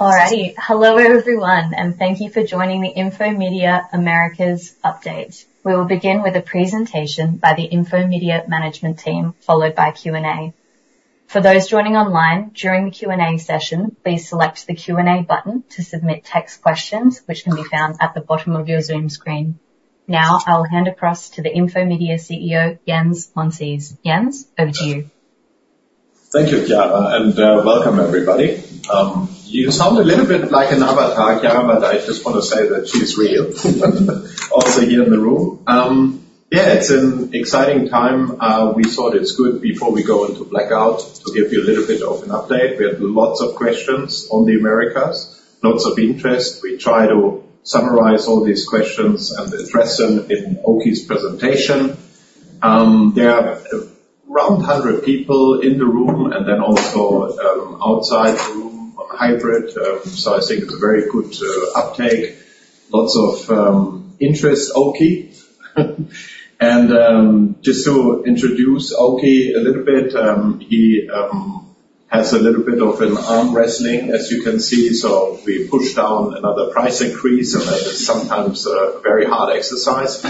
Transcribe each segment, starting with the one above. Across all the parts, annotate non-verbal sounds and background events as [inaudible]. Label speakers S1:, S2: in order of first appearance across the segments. S1: All righty. Hello, everyone, and thank you for joining the Infomedia Americas update. We will begin with a presentation by the Infomedia management team, followed by Q&A. For those joining online, during the Q&A session, please select the Q&A button to submit text questions, which can be found at the bottom of your Zoom screen. Now, I'll hand across to the Infomedia CEO, Jens Monsees. Jens, over to you.
S2: Thank you, Kiara, and welcome, everybody. You sound a little bit like an avatar, Kiara, but I just want to say that she's real, also here in the room. Yeah, it's an exciting time. We thought it's good before we go into blackout to give you a little bit of an update. We had lots of questions on the Americas, lots of interest. We try to summarize all these questions and address them in Oki's presentation. There are around 100 people in the room and then also outside the room on hybrid. So I think it's a very good uptake. Lots of interest, Oki. Just to introduce Oki a little bit, he has a little bit of an arm wrestling, as you can see, so we pushed down another price increase, and that is sometimes a very hard exercise.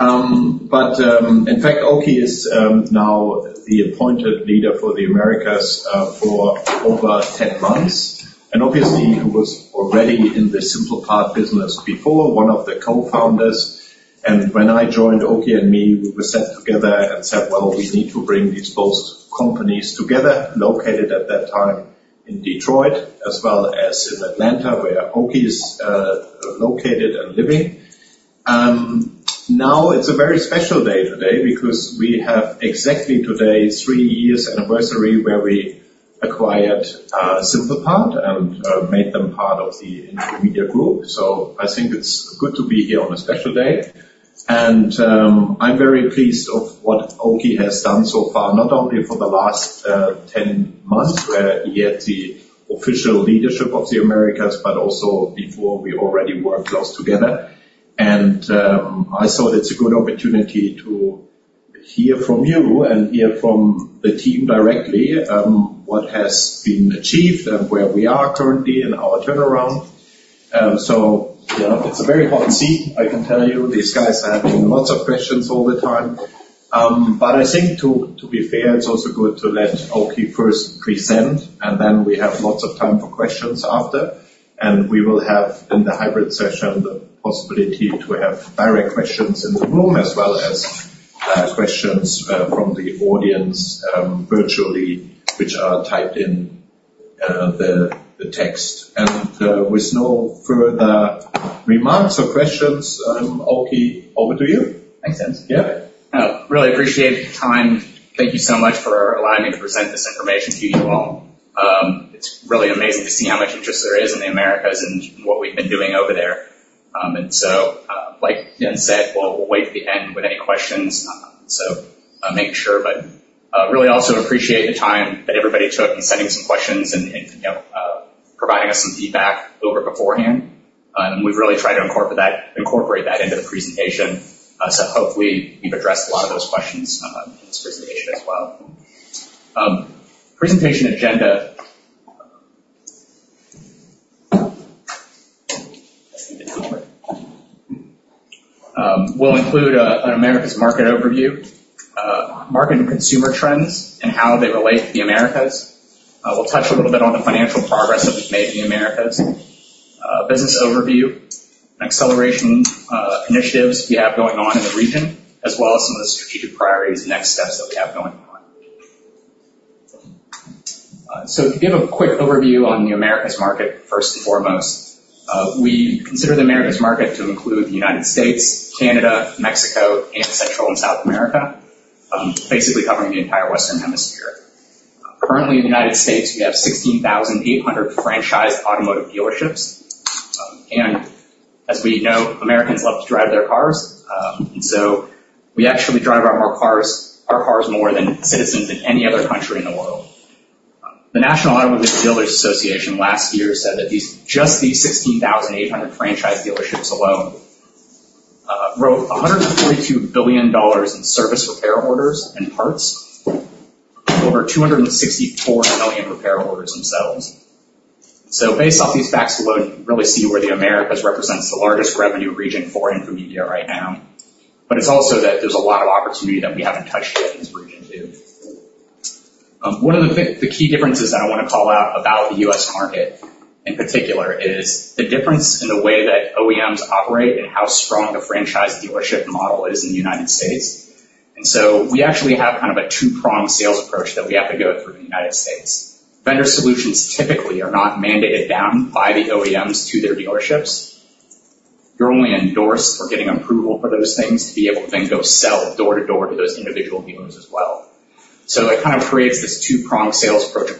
S2: In fact, Oki is now the appointed leader for the Americas, for over 10 months. Obviously, he was already in the SimplePart business before, one of the co-founders. When I joined, Oki and me, we sat together and said, "Well, we need to bring these both companies together," located at that time in Detroit as well as in Atlanta, where Oki is located and living. Now, it's a very special day today because we have exactly today, 3 years anniversary, where we acquired SimplePart and made them part of the Infomedia Group. So I think it's good to be here on a special day. I'm very pleased of what Oki has done so far, not only for the last 10 months, where he had the official leadership of the Americas, but also before we already worked close together. I thought it's a good opportunity to hear from you and hear from the team directly what has been achieved and where we are currently in our turnaround. You know, it's a very hot seat, I can tell you. These guys are having lots of questions all the time. But I think to be fair, it's also good to let Oki first present, and then we have lots of time for questions after. We will have, in the hybrid session, the possibility to have direct questions in the room, as well as questions from the audience virtually, which are typed in the text. With no further remarks or questions, Oki, over to you. Makes sense. Yeah. Really appreciate the time. Thank you so much for allowing me to present this information to you all. It's really amazing to see how much interest there is in the Americas and what we've been doing over there. Like Jens said, we'll wait at the end with any questions. I'll make sure, but really also appreciate the time that everybody took in sending some questions and, you know, providing us some feedback over beforehand. We've really tried to incorporate that into the presentation. So hopefully, we've addressed a lot of those questions in this presentation as well. Presentation agenda. We'll include an Americas market overview, market and consumer trends and how they relate to the Americas. We'll touch a little bit on the financial progress that we've made in the Americas, business overview, acceleration, initiatives we have going on in the region, as well as some of the strategic priorities and next steps that we have going on. So to give a quick overview on the Americas market, first and foremost, we consider the Americas market to include the United States, Canada, Mexico, and Central and South America, basically covering the entire Western Hemisphere. Currently, in the United States, we have 16,800 franchised automotive dealerships. And as we know, Americans love to drive their cars. And so we actually drive our more cars, our cars more than citizens in any other country in the world. The National Automobile Dealers Association last year said that these—just these 16,800 franchise dealerships alone wrote $142 billion in service repair orders and parts, over 264 million repair orders themselves. So based off these facts alone, you can really see where the Americas represents the largest revenue region for Infomedia right now, but it's also that there's a lot of opportunity that we haven't touched yet in this region, too. One of the key differences that I want to call out about the US market, in particular, is the difference in the way that OEMs operate and how strong the franchise dealership model is in the United States. So we actually have kind of a two-pronged sales approach that we have to go through in the United States. Vendor solutions typically are not mandated down by the OEMs to their dealerships. You're only endorsed for getting approval for those things to be able to then go sell door to door to those individual dealers as well. So it kind of creates this two-pronged sales approach,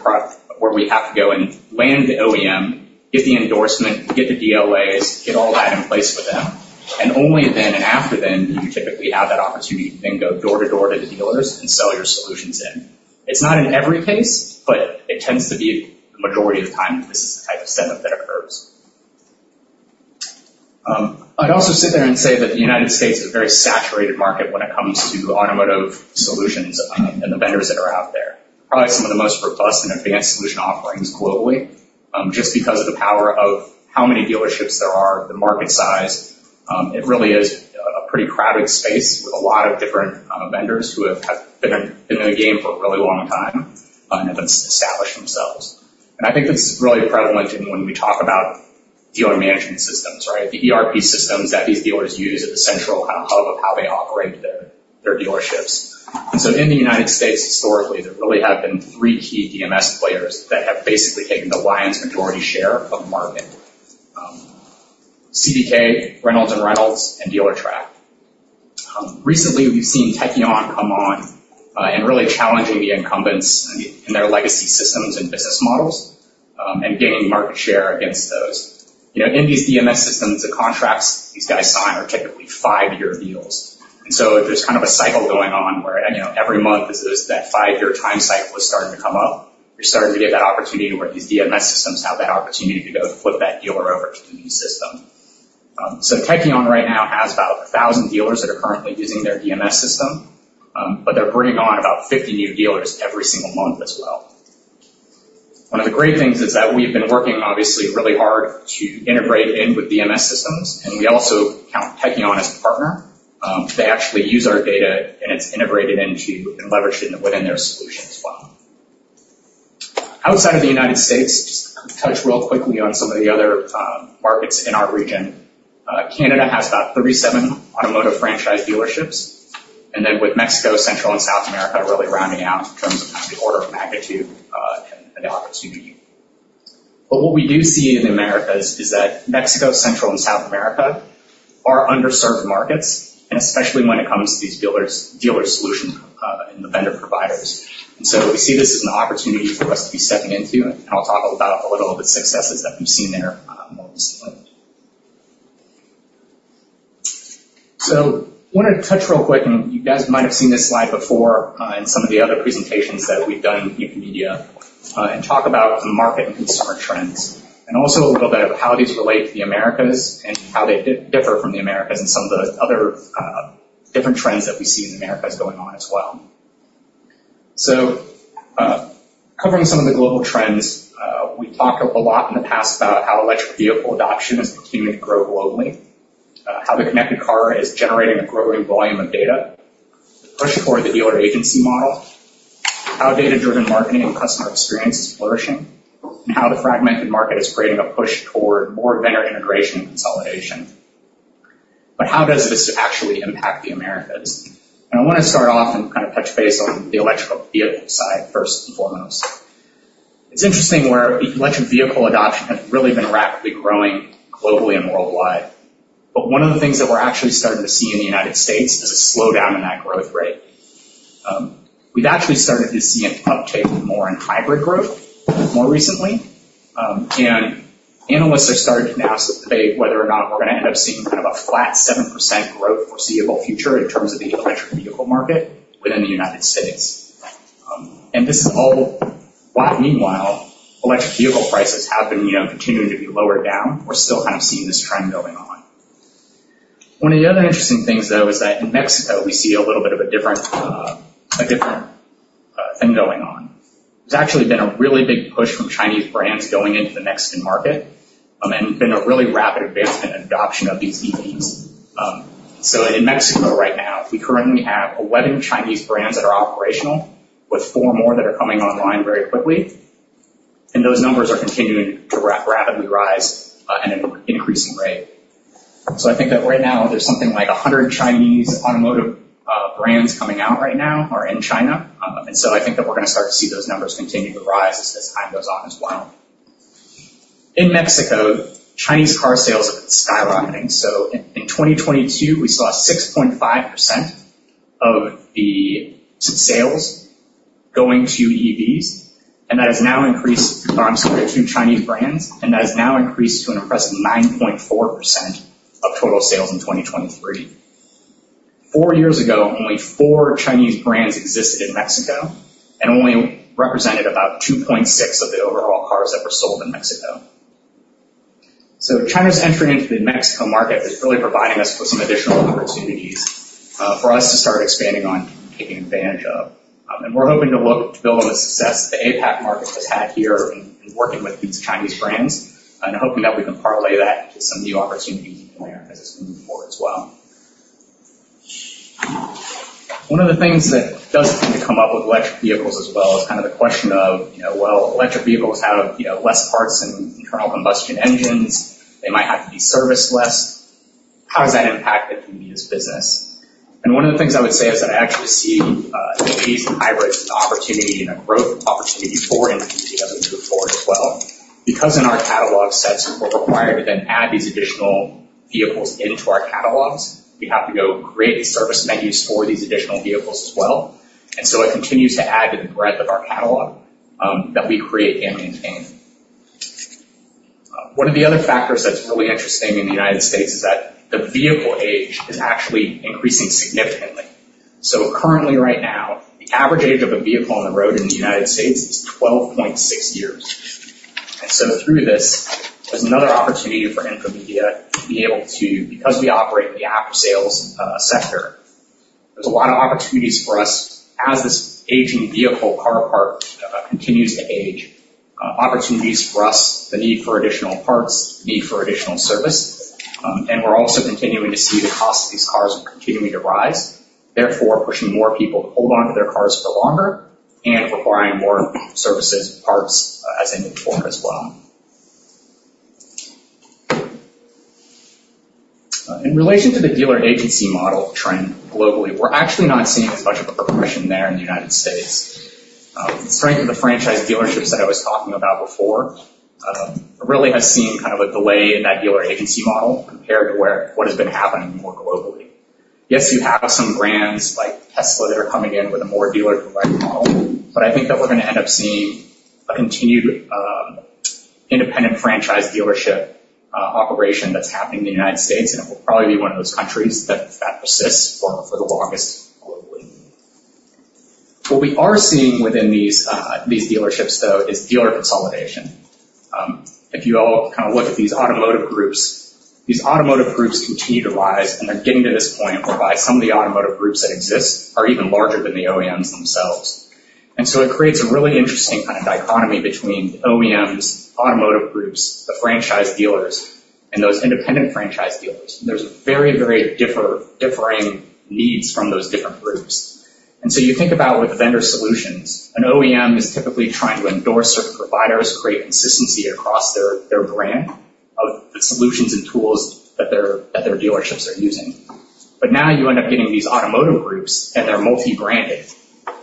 S2: where we have to go and land the OEM, get the endorsement, get the DOAs, get all that in place with them, and only then and after then, do you typically have that opportunity to then go door to door to the dealers and sell your solutions in. It's not in every case, but it tends to be the majority of the time, this is the type of setup that occurs. I'd also sit there and say that the United States is a very saturated market when it comes to automotive solutions, and the vendors that are out there. Probably some of the most robust and advanced solution offerings globally, just because of the power of how many dealerships there are, the market size, it really is a pretty crowded space with a lot of different vendors who have been in the game for a really long time, and have established themselves. I think this is really prevalent in when we talk about dealer management systems, right? The ERP systems that these dealers use at the central hub of how they operate their dealerships. So in the United States, historically, there really have been three key DMS players that have basically taken the lion's majority share of the market. CDK, Reynolds and Reynolds, and Dealertrack. Recently, we've seen Tekion come on and really challenging the incumbents in their legacy systems and business models and gaining market share against those. You know, in these DMS systems, the contracts these guys sign are typically five-year deals. So there's kind of a cycle going on where, you know, every month as that five-year time cycle is starting to come up, you're starting to get that opportunity where these DMS systems have that opportunity to go flip that dealer over to the new system. So Tekion right now has about 1,000 dealers that are currently using their DMS system, but they're bringing on about 50 new dealers every single month as well. One of the great things is that we've been working obviously really hard to integrate in with DMS systems, and we also count Tekion as a partner. They actually use our data, and it's integrated into and leveraged in, within their solution as well. Outside of the United States, just touch real quickly on some of the other markets in our region. Canada has about 37 automotive franchise dealerships, and then with Mexico, Central and South America, really rounding out in terms of kind of the order of magnitude, and the opportunity. But what we do see in the Americas is that Mexico, Central and South America are underserved markets, and especially when it comes to these dealers, dealer solution, and the vendor providers. And so we see this as an opportunity for us to be stepping into, and I'll talk about a little of the successes that we've seen there, more recently. So I wanted to touch real quick, and you guys might have seen this slide before, in some of the other presentations that we've done in Infomedia, and talk about market and consumer trends, and also a little bit of how these relate to the Americas and how they differ from the Americas and some of the other, different trends that we see in the Americas going on as well. So, covering some of the global trends, we've talked a lot in the past about how electric vehicle adoption is continuing to grow globally, how the connected car is generating a growing volume of data, the push toward the dealer agency model, how data-driven marketing and customer experience is flourishing, and how the fragmented market is creating a push toward more vendor integration and consolidation. But how does this actually impact the Americas? I want to start off and kind of touch base on the electric vehicle side first and foremost. It's interesting where electric vehicle adoption has really been rapidly growing globally and worldwide, but one of the things that we're actually starting to see in the United States is a slowdown in that growth rate. We've actually started to see an uptake more in hybrid growth more recently. Analysts are starting to now debate whether or not we're gonna end up seeing kind of a flat 7% growth foreseeable future in terms of the electric vehicle market within the United States. This is all while meanwhile, electric vehicle prices have been, you know, continuing to be lowered down. We're still kind of seeing this trend going on. One of the other interesting things, though, is that in Mexico, we see a little bit of a different, a different, thing going on. There's actually been a really big push from Chinese brands going into the Mexican market, and been a really rapid advancement and adoption of these EVs. So in Mexico right now, we currently have 11 Chinese brands that are operational, with 4 more that are coming online very quickly, and those numbers are continuing to rapidly rise, at an increasing rate. So I think that right now there's something like 100 Chinese automotive, brands coming out right now or in China. And so I think that we're gonna start to see those numbers continue to rise as, as time goes on as well. In Mexico, Chinese car sales are skyrocketing. So in 2022, we saw 6.5% of the sales going to EVs, and that has now increased to Chinese brands, and that has now increased to an impressive 9.4% of total sales in 2023. Four years ago, only four Chinese brands existed in Mexico and only represented about 2.6 of the overall cars that were sold in Mexico. So China's entry into the Mexico market is really providing us with some additional opportunities for us to start expanding on taking advantage of. And we're hoping to look to build on the success the APAC market has had here in working with these Chinese brands and hoping that we can parlay that into some new opportunities in the Americas as we move forward as well. One of the things that does seem to come up with electric vehicles as well is kind of the question of, you know, well, electric vehicles have, you know, less parts than internal combustion engines. They might have to be serviced less. How does that impact Infomedia's business? And one of the things I would say is that I actually see the EVs and hybrids as an opportunity and a growth opportunity for Infomedia going forward as well, because in our catalog sets, we're required to then add these additional vehicles into our catalogs. We have to go create the service menus for these additional vehicles as well. And so it continues to add to the breadth of our catalog that we create and maintain. One of the other factors that's really interesting in the United States is that the vehicle age is actually increasing significantly. So currently right now, the average age of a vehicle on the road in the United States is 12.6 years. And so through this, there's another opportunity for Infomedia to be able to, because we operate in the after-sales sector, there's a lot of opportunities for us as this aging vehicle car part continues to age, opportunities for us, the need for additional parts, need for additional service. And we're also continuing to see the cost of these cars continuing to rise, therefore, pushing more people to hold on to their cars for longer and requiring more services and parts as they move forward as well. In relation to the dealer agency model trend globally, we're actually not seeing as much of a progression there in the United States. The strength of the franchise dealerships that I was talking about before really has seen kind of a delay in that dealer agency model compared to what has been happening more globally. Yes, you have some brands like Tesla that are coming in with a more dealer-provider model, but I think that we're going to end up seeing a continued independent franchise dealership operation that's happening in the United States, and it will probably be one of those countries that persists for the longest globally. What we are seeing within these dealerships, though, is dealer consolidation. If you all kind of look at these automotive groups, these automotive groups continue to rise, and they're getting to this point whereby some of the automotive groups that exist are even larger than the OEMs themselves. And so it creates a really interesting kind of dichotomy between OEMs, automotive groups, the franchise dealers, and those independent franchise dealers. There's very, very differing needs from those different groups. And so you think about with vendor solutions, an OEM is typically trying to endorse certain providers, create consistency across their, their brand of the solutions and tools that their, that their dealerships are using. But now you end up getting these automotive groups, and they're multi-branded.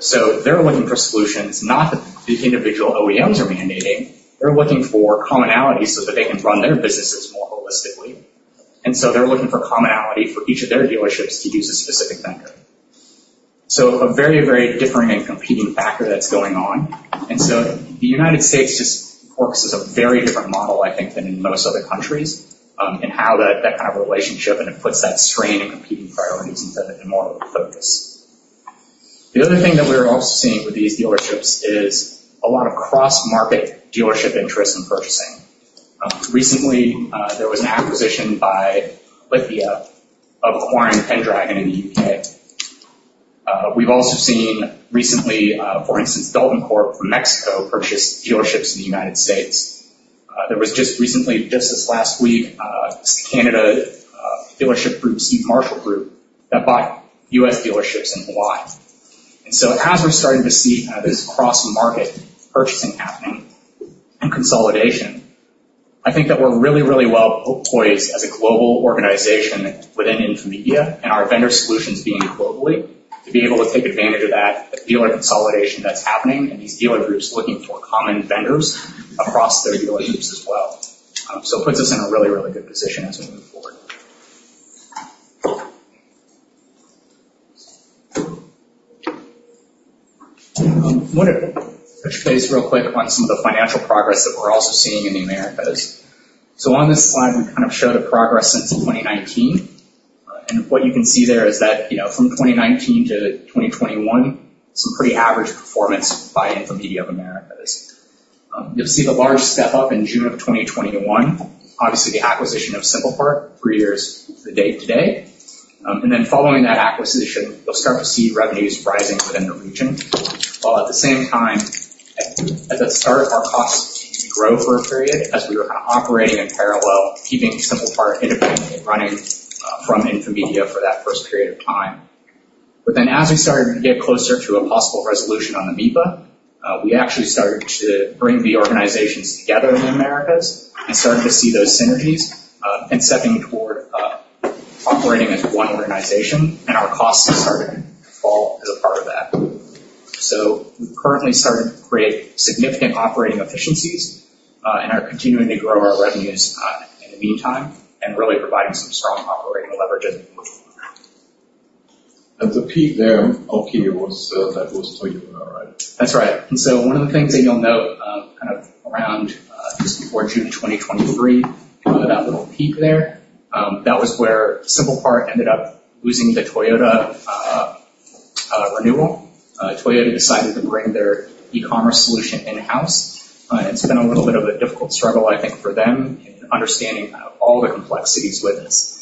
S2: So they're looking for solutions not the individual OEMs are mandating, they're looking for commonalities so that they can run their businesses more holistically. They're looking for commonality for each of their dealerships to use a specific vendor. A very, very differing and competing factor that's going on. The United States just works as a very different model, I think, than in most other countries, in how that, that kind of relationship, and it puts that strain and competing priorities into more of a focus. The other thing that we're also seeing with these dealerships is a lot of cross-market dealership interest in purchasing. Recently, there was an acquisition by Lithia of Jardine and Pendragon in the U.K. We've also seen recently, for instance, Dalton Corp from Mexico, purchase dealerships in the United States. There was just recently, just this last week, this Canada, dealership group, Steve Marshall Group, that bought U.S. dealerships in Hawaii. And so as we're starting to see kind of this cross-market purchasing happening and consolidation, I think that we're really, really well poised as a global organization within Infomedia and our vendor solutions being globally, to be able to take advantage of that, the dealer consolidation that's happening and these dealer groups looking for common vendors across their dealerships as well. So it puts us in a really, really good position as we move forward. I want to touch base real quick on some of the financial progress that we're also seeing in the Americas. So on this slide, we kind of show the progress since 2019, and what you can see there is that, you know, from 2019 to 2021, some pretty average performance by Infomedia in the Americas. You'll see the large step up in June of 2021. Obviously, the acquisition of SimplePart, three years to date today. And then following that acquisition, you'll start to see revenues rising within the region, while at the same time, at the start, our costs continued to grow for a period as we were kind of operating in parallel, keeping SimplePart independently running from Infomedia for that first period of time. But then as we started to get closer to a possible resolution on the MIPA, we actually started to bring the organizations together in the Americas and started to see those synergies, and stepping toward operating as one organization, and our costs started to fall as a part of that. So we've currently started to create significant operating efficiencies, and are continuing to grow our revenues in the meantime and really providing some strong operating leverage. At the peak there, up here, was, that was Toyota, right? That's right. And so one of the things that you'll note, kind of around, just before June 2023, that little peak there, that was where SimplePart ended up losing the Toyota renewal. Toyota decided to bring their e-commerce solution in-house, and it's been a little bit of a difficult struggle, I think, for them in understanding kind of all the complexities with this,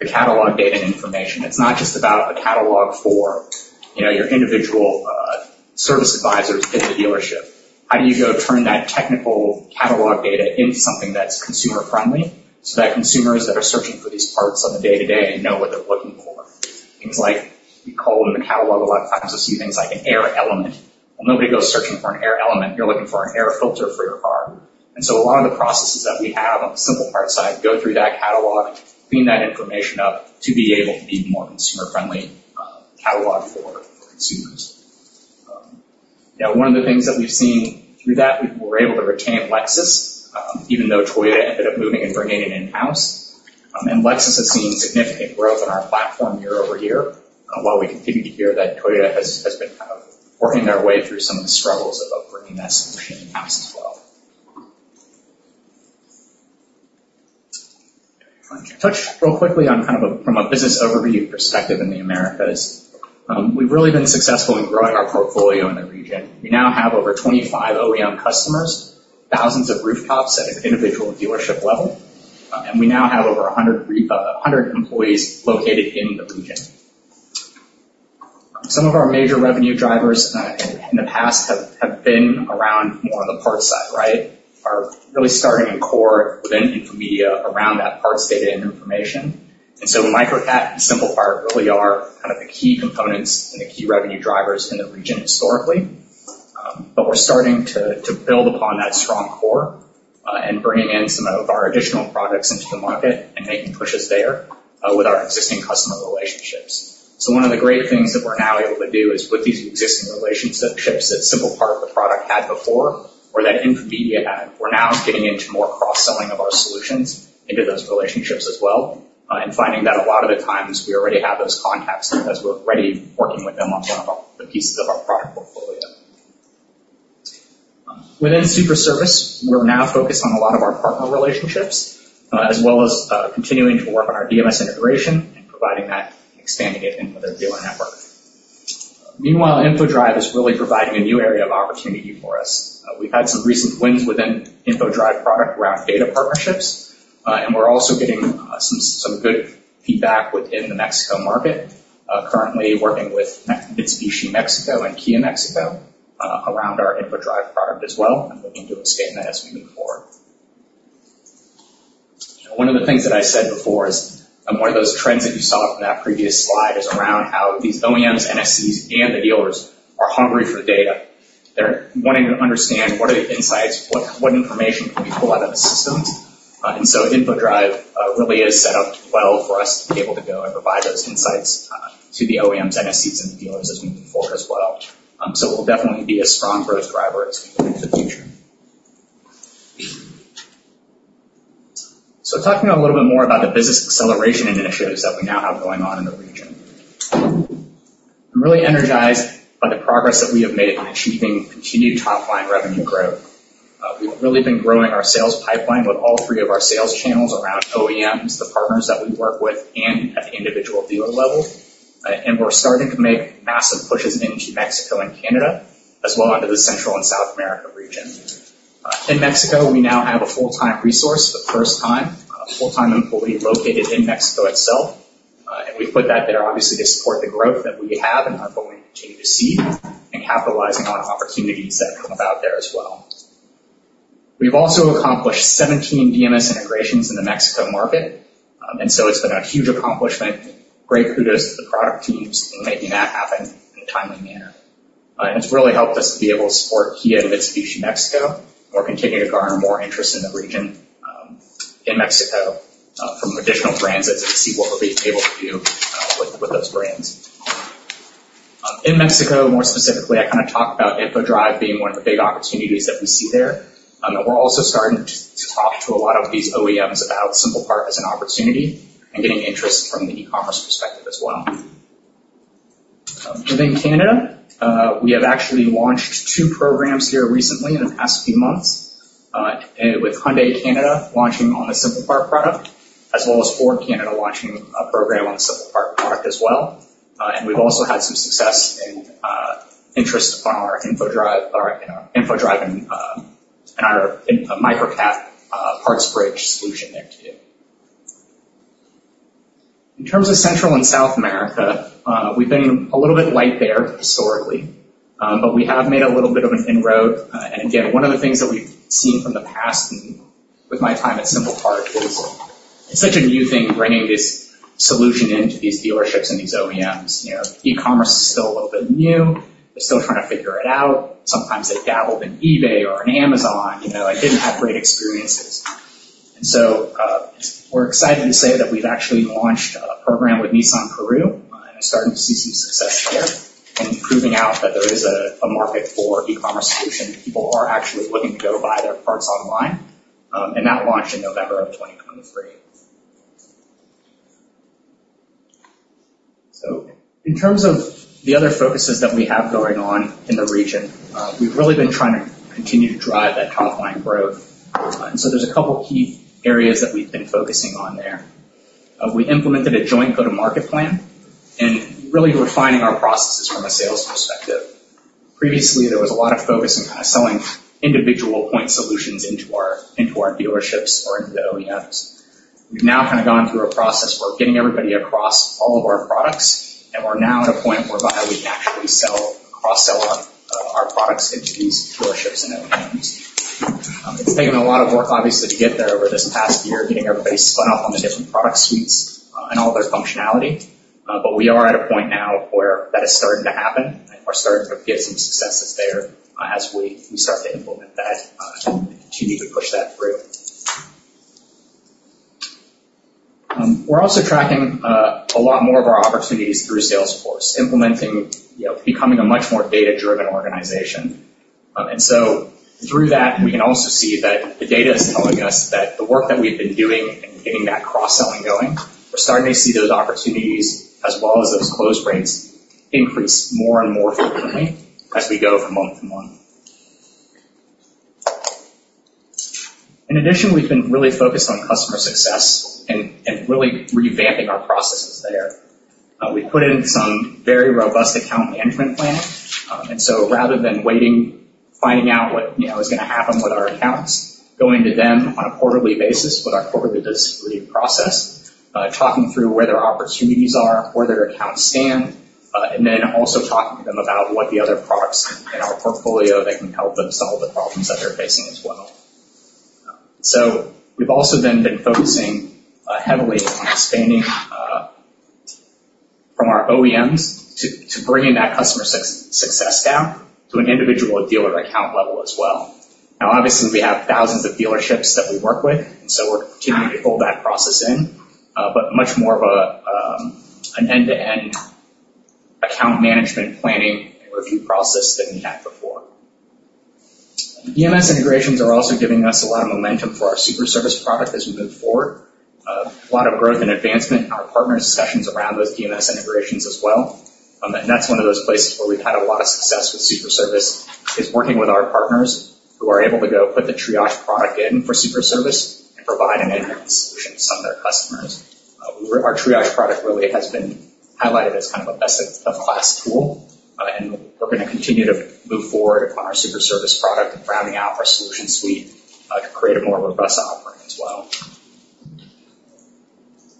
S2: the catalog data and information. It's not just about a catalog for, you know, your individual service advisors in the dealership. How do you go turn that technical catalog data into something that's consumer-friendly, so that consumers that are searching for these parts on a day-to-day know what they're looking for? Things like we call them a catalog a lot of times, you'll see things like an air element. Well, nobody goes searching for an air element. You're looking for an air filter for your car. And so a lot of the processes that we have on the SimplePart side, go through that catalog, clean that information up to be able to be more consumer-friendly catalog for consumers. Now, one of the things that we've seen through that, we were able to retain Lexus, even though Toyota ended up moving and bringing it in-house. And Lexus has seen significant growth in our platform year over year, while we continue to hear that Toyota has been kind of working their way through some of the struggles of bringing that solution in-house as well. Touch real quickly on kind of a, from a business overview perspective in the Americas. We've really been successful in growing our portfolio in the region. We now have over 25 OEM customers, thousands of rooftops at an individual dealership level, and we now have over 100 employees located in the region. Some of our major revenue drivers in the past have been around more on the parts side, right? Are really starting in core within Infomedia around that parts data and information. And so Microcat and SimplePart really are kind of the key components and the key revenue drivers in the region historically. But we're starting to build upon that strong core and bringing in some of our additional products into the market and making pushes there with our existing customer relationships. So one of the great things that we're now able to do is with these existing relationships that SimplePart of the product had before, or that Infomedia had, we're now getting into more cross-selling of our solutions into those relationships as well, and finding that a lot of the times we already have those contacts as we're already working with them on some of our, the pieces of our product portfolio. Within Superservice, we're now focused on a lot of our partner relationships, as well as, continuing to work on our DMS integration and providing that, expanding it into their dealer network. Meanwhile, InfoDrive is really providing a new area of opportunity for us. We've had some recent wins within InfoDrive product around data partnerships, and we're also getting some good feedback within the Mexico market. Currently working with Mitsubishi Mexico, and Kia Mexico around our InfoDrive product as well, and looking to expand that as we move forward. One of the things that I said before is, and one of those trends that you saw from that previous slide, is around how these OEMs, NSCs, and the dealers are hungry for data. They're wanting to understand what are the insights, what, what information can we pull out of the systems? And so InfoDrive really is set up well for us to be able to go and provide those insights to the OEMs, NSCs, and the dealers as we move forward as well. So we'll definitely be a strong growth driver as we move into the future. So talking a little bit more about the business acceleration initiatives that we now have going on in the region. I'm really energized by the progress that we have made on achieving continued top-line revenue growth. We've really been growing our sales pipeline with all three of our sales channels around OEMs, the partners that we work with, and at the individual dealer level. We're starting to make massive pushes into Mexico and Canada, as well into the Central and South America region. In Mexico, we now have a full-time resource for the first time, a full-time employee located in Mexico itself, and we put that there obviously to support the growth that we have and are going to continue to see, and capitalizing on opportunities that come about there as well. We've also accomplished 17 DMS integrations in the Mexico market, and so it's been a huge accomplishment. Great kudos to the product teams in making that happen in a timely manner. It's really helped us to be able to support Kia and Mitsubishi Mexico, and we're continuing to garner more interest in the region, in Mexico, from additional brands as we see what we'll be able to do, with those brands. In Mexico, more specifically, I kind of talked about InfoDrive being one of the big opportunities that we see there. We're also starting to talk to a lot of these OEMs about SimplePart as an opportunity and getting interest from the e-commerce perspective as well. Within Canada, we have actually launched two programs here recently in the past few months, with Hyundai Canada launching on the SimplePart product, as well as Ford Canada launching a program on the SimplePart product as well. And we've also had some success in interest on our InfoDrive, or in our InfoDrive and and our Microcat PartsBridge solution there, too. In terms of Central and South America, we've been a little bit light there historically, but we have made a little bit of an inroad. And again, one of the things that we've seen from the past, and with my time at SimplePart is, it's such a new thing, bringing this solution into these dealerships and these OEMs. You know, e-commerce is still a little bit new. They're still trying to figure it out. Sometimes they dabbled in eBay or in Amazon, you know, and didn't have great experiences. And so, we're excited to say that we've actually launched a program with Nissan Peru, and are starting to see some success there and proving out that there is a market for e-commerce solution. People are actually looking to go buy their parts online, and that launched in November 2023. So in terms of the other focuses that we have going on in the region, we've really been trying to continue to drive that top-line growth. So there's a couple key areas that we've been focusing on there. We implemented a joint go-to-market plan and really refining our processes from a sales perspective. Previously, there was a lot of focus on selling individual point solutions into our dealerships or into the OEMs. We've now kind of gone through a process. We're getting everybody across all of our products, and we're now at a point whereby we can actually sell, cross-sell our products into these dealerships and OEMs. It's taken a lot of work, obviously, to get there over this past year, getting everybody spun up on the different product suites, and all of their functionality, but we are at a point now where that is starting to happen, and we're starting to get some successes there, as we start to implement that, continue to push that through. We're also tracking a lot more of our opportunities through Salesforce, implementing, you know, becoming a much more data-driven organization. And so through that, we can also see that the data is telling us that the work that we've been doing in getting that cross-selling going, we're starting to see those opportunities as well as those close rates, increase more and more frequently as we go from month to month. In addition, we've been really focused on customer success and really revamping our processes there. We put in some very robust account management planning. And so rather than waiting, finding out what, you know, is gonna happen with our accounts, going to them on a quarterly basis with our quarterly review process, talking through where their opportunities are, where their accounts stand, and then also talking to them about what the other products in our portfolio that can help them solve the problems that they're facing as well. So we've also then been focusing heavily on expanding from our OEMs to bringing that customer success down to an individual dealer account level as well. Now, obviously, we have thousands of dealerships that we work with, and so we're continuing to pull that process in, but much more of an end-to-end account management planning and review process than we had before. DMS integrations are also giving us a lot of momentum for our Superservice product as we move forward. A lot of growth and advancement in our partner discussions around those DMS integrations as well. And that's one of those places where we've had a lot of success with Superservice, is working with our partners who are able to go put the Triage product in for Superservice and provide an end-to-end solution to some of their customers. Our Triage product really has been highlighted as kind of a best-of-class tool, and we're gonna continue to move forward on our Superservice product and rounding out our solution suite, to create a more robust offering as well.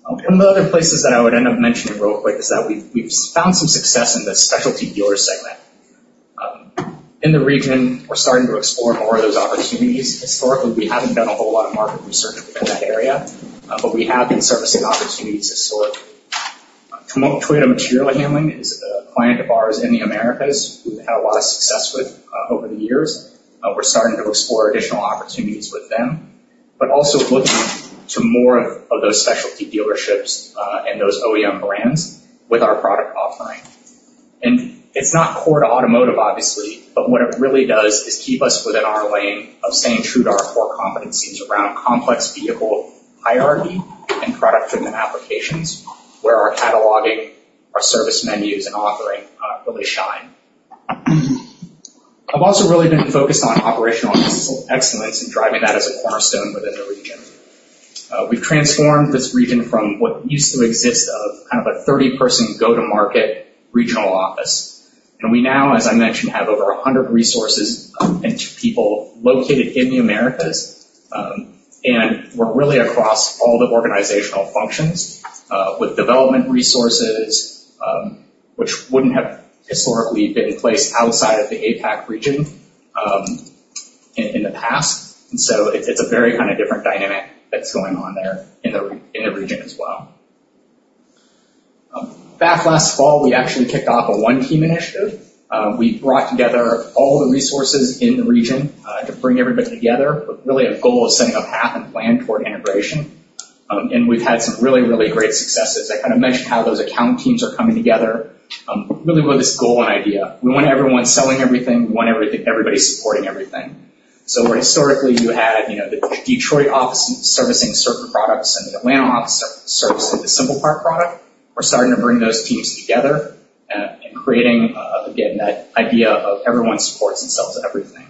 S2: One of the other places that I would end up mentioning real quick is that we've found some success in the specialty dealer segment. In the region, we're starting to explore more of those opportunities. Historically, we haven't done a whole lot of market research in that area, but we have been servicing opportunities to date. Toyota Material Handling is a client of ours in the Americas who we've had a lot of success with, over the years. We're starting to explore additional opportunities with them, but also looking to more of, of those specialty dealerships, and those OEM brands with our product offering. And it's not core to automotive, obviously, but what it really does is keep us within our lane of staying true to our core competencies around complex vehicle hierarchy and product-driven applications, where our cataloging, our service menus, and offering, really shine. I've also really been focused on operational excellence and driving that as a cornerstone within the region. We've transformed this region from what used to exist of kind of a 30-person go-to-market regional office. And we now, as I mentioned, have over 100 resources and people located in the Americas. And we're really across all the organizational functions with development resources, which wouldn't have historically been in place outside of the APAC region, in the past. And so it's a very kind of different dynamic that's going on there in the region as well. Back last fall, we actually kicked off a One Team initiative. We brought together all the resources in the region to bring everybody together, but really a goal of setting a path and plan toward integration. And we've had some really, really great successes. I kind of mentioned how those account teams are coming together, really with this goal and idea. We want everyone selling everything. We want everybody supporting everything. So where historically you had, you know, the Detroit office servicing certain products and the Atlanta office servicing the SimplePart product, we're starting to bring those teams together and creating, again, that idea of everyone supports and sells everything.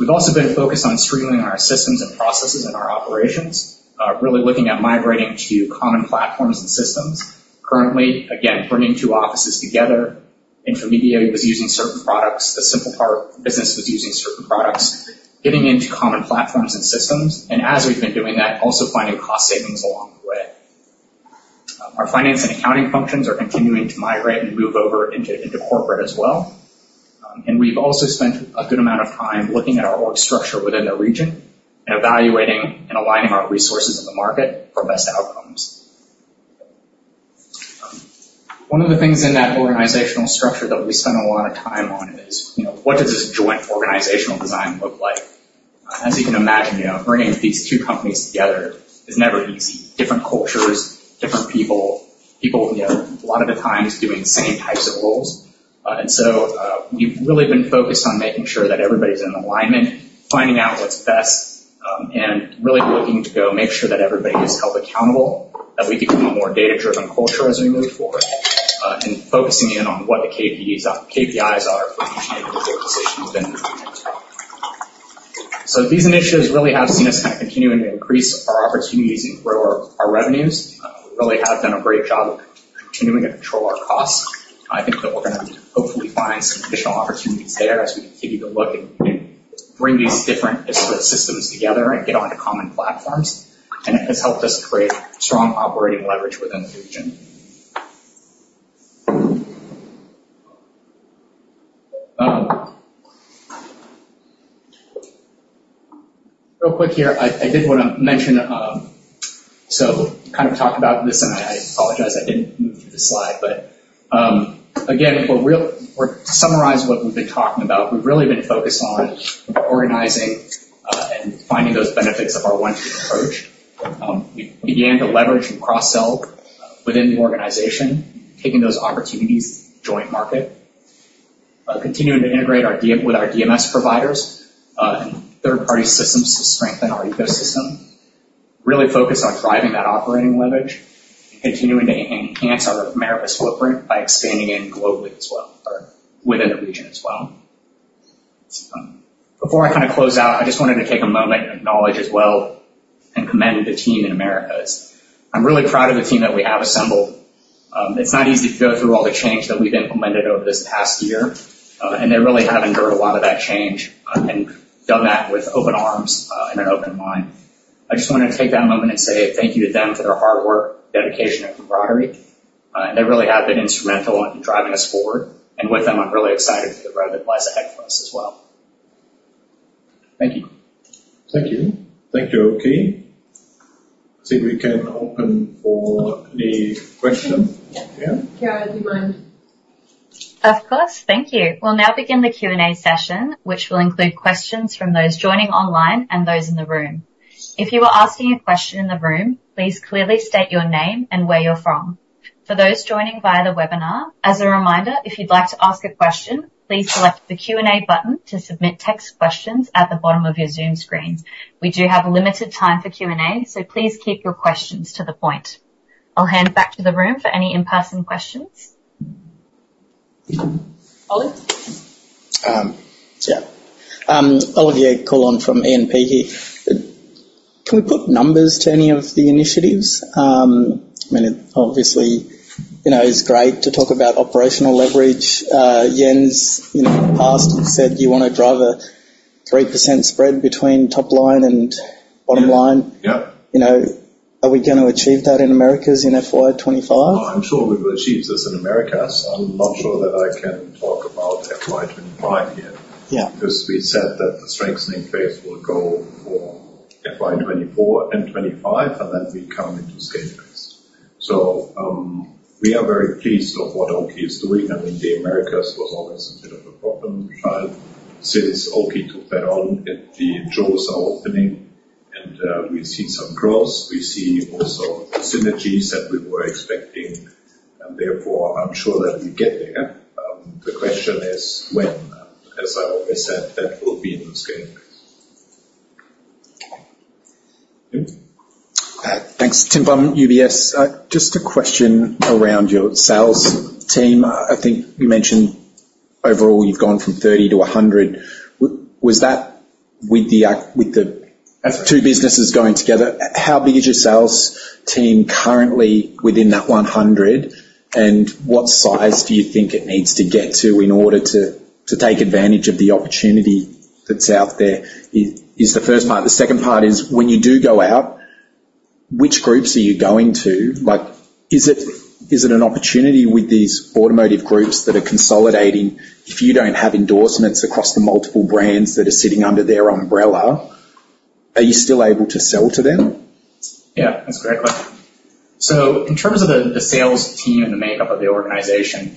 S2: We've also been focused on streamlining our systems and processes and our operations, really looking at migrating to common platforms and systems. Currently, again, bringing two offices together. Infomedia was using certain products. The SimplePart business was using certain products, getting into common platforms and systems, and as we've been doing that, also finding cost savings along the way. Our finance and accounting functions are continuing to migrate and move over into corporate as well. And we've also spent a good amount of time looking at our org structure within the region and evaluating and aligning our resources in the market for best outcomes. One of the things in that organizational structure that we spent a lot of time on is, you know, what does this joint organizational design look like? As you can imagine, you know, bringing these two companies together is never easy. Different cultures, different people, you know, a lot of the times doing the same types of roles. And so, we've really been focused on making sure that everybody's in alignment, finding out what's best, and really looking to go make sure that everybody is held accountable, that we become a more data-driven culture as we move forward, and focusing in on what the KPIs are for each individual decision within the region. So these initiatives really have seen us kind of continuing to increase our opportunities and grow our revenues. We really have done a great job of continuing to control our costs. I think that we're gonna hopefully find some additional opportunities there as we continue to look and bring these different disparate systems together and get onto common platforms. And it has helped us create strong operating leverage within the region. Real quick here, I did want to mention, so kind of talked about this, and I apologize I didn't move through the slide, but, again, we're... Summarize what we've been talking about. We've really been focused on organizing and finding those benefits of our One Team approach. We began to leverage and cross-sell within the organization, taking those opportunities, joint market, continuing to integrate our DMS providers, and third-party systems to strengthen our ecosystem.... really focused on driving that operating leverage and continuing to enhance our Americas footprint by expanding in globally as well, or within the region as well. Before I kind of close out, I just wanted to take a moment and acknowledge as well and commend the team in Americas. I'm really proud of the team that we have assembled. It's not easy to go through all the change that we've implemented over this past year, and they really have endured a lot of that change and done that with open arms, and an open mind. I just wanted to take that moment and say thank you to them for their hard work, dedication, and camaraderie. They really have been instrumental in driving us forward, and with them, I'm really excited for the road that lies ahead for us as well. Thank you. Thank you. Thank you, Oki. I think we can open for the question. Yeah.
S1: Kiara, do you mind? Of course. Thank you. We'll now begin the Q&A session, which will include questions from those joining online and those in the room. If you are asking a question in the room, please clearly state your name and where you're from. For those joining via the webinar, as a reminder, if you'd like to ask a question, please select the Q&A button to submit text questions at the bottom of your Zoom screen. We do have limited time for Q&A, so please keep your questions to the point. I'll hand it back to the room for any in-person questions. Oliver?
S3: Yeah. Olivier Coulon from E&P here. Can we put numbers to any of the initiatives? I mean, obviously, you know, it's great to talk about operational leverage. Jens, you know, in the past, you said you want to drive a 3% spread between top line and bottom line.
S2: Yeah.
S3: You know, are we going to achieve that in Americas in FY 25?
S2: I'm sure we will achieve this in Americas. I'm not sure that I can talk about FY 25 yet-
S3: Yeah.
S2: Because we said that the strengthening phase will go for FY 2024 and 2025, and then we come into scale phase. So, we are very pleased of what Oki is doing. I mean, the Americas was always a bit of a problem child. Since Oki took that on, the jaws are opening, and we've seen some growth. We see also synergies that we were expecting, and therefore, I'm sure that we get there. The question is when, as I always said, that will be in the scale.
S4: Thanks. Tim Bunn, UBS. Just a question around your sales team. I think you mentioned overall you've gone from 30 to 100. With the two businesses going together, how big is your sales team currently within that 100, and what size do you think it needs to get to in order to take advantage of the opportunity that's out there? Is the first part. The second part is, when you do go out, which groups are you going to? Like, is it an opportunity with these automotive groups that are consolidating? If you don't have endorsements across the multiple brands that are sitting under their umbrella, are you still able to sell to them? Yeah, that's a great question. So in terms of the sales team and the makeup of the organization,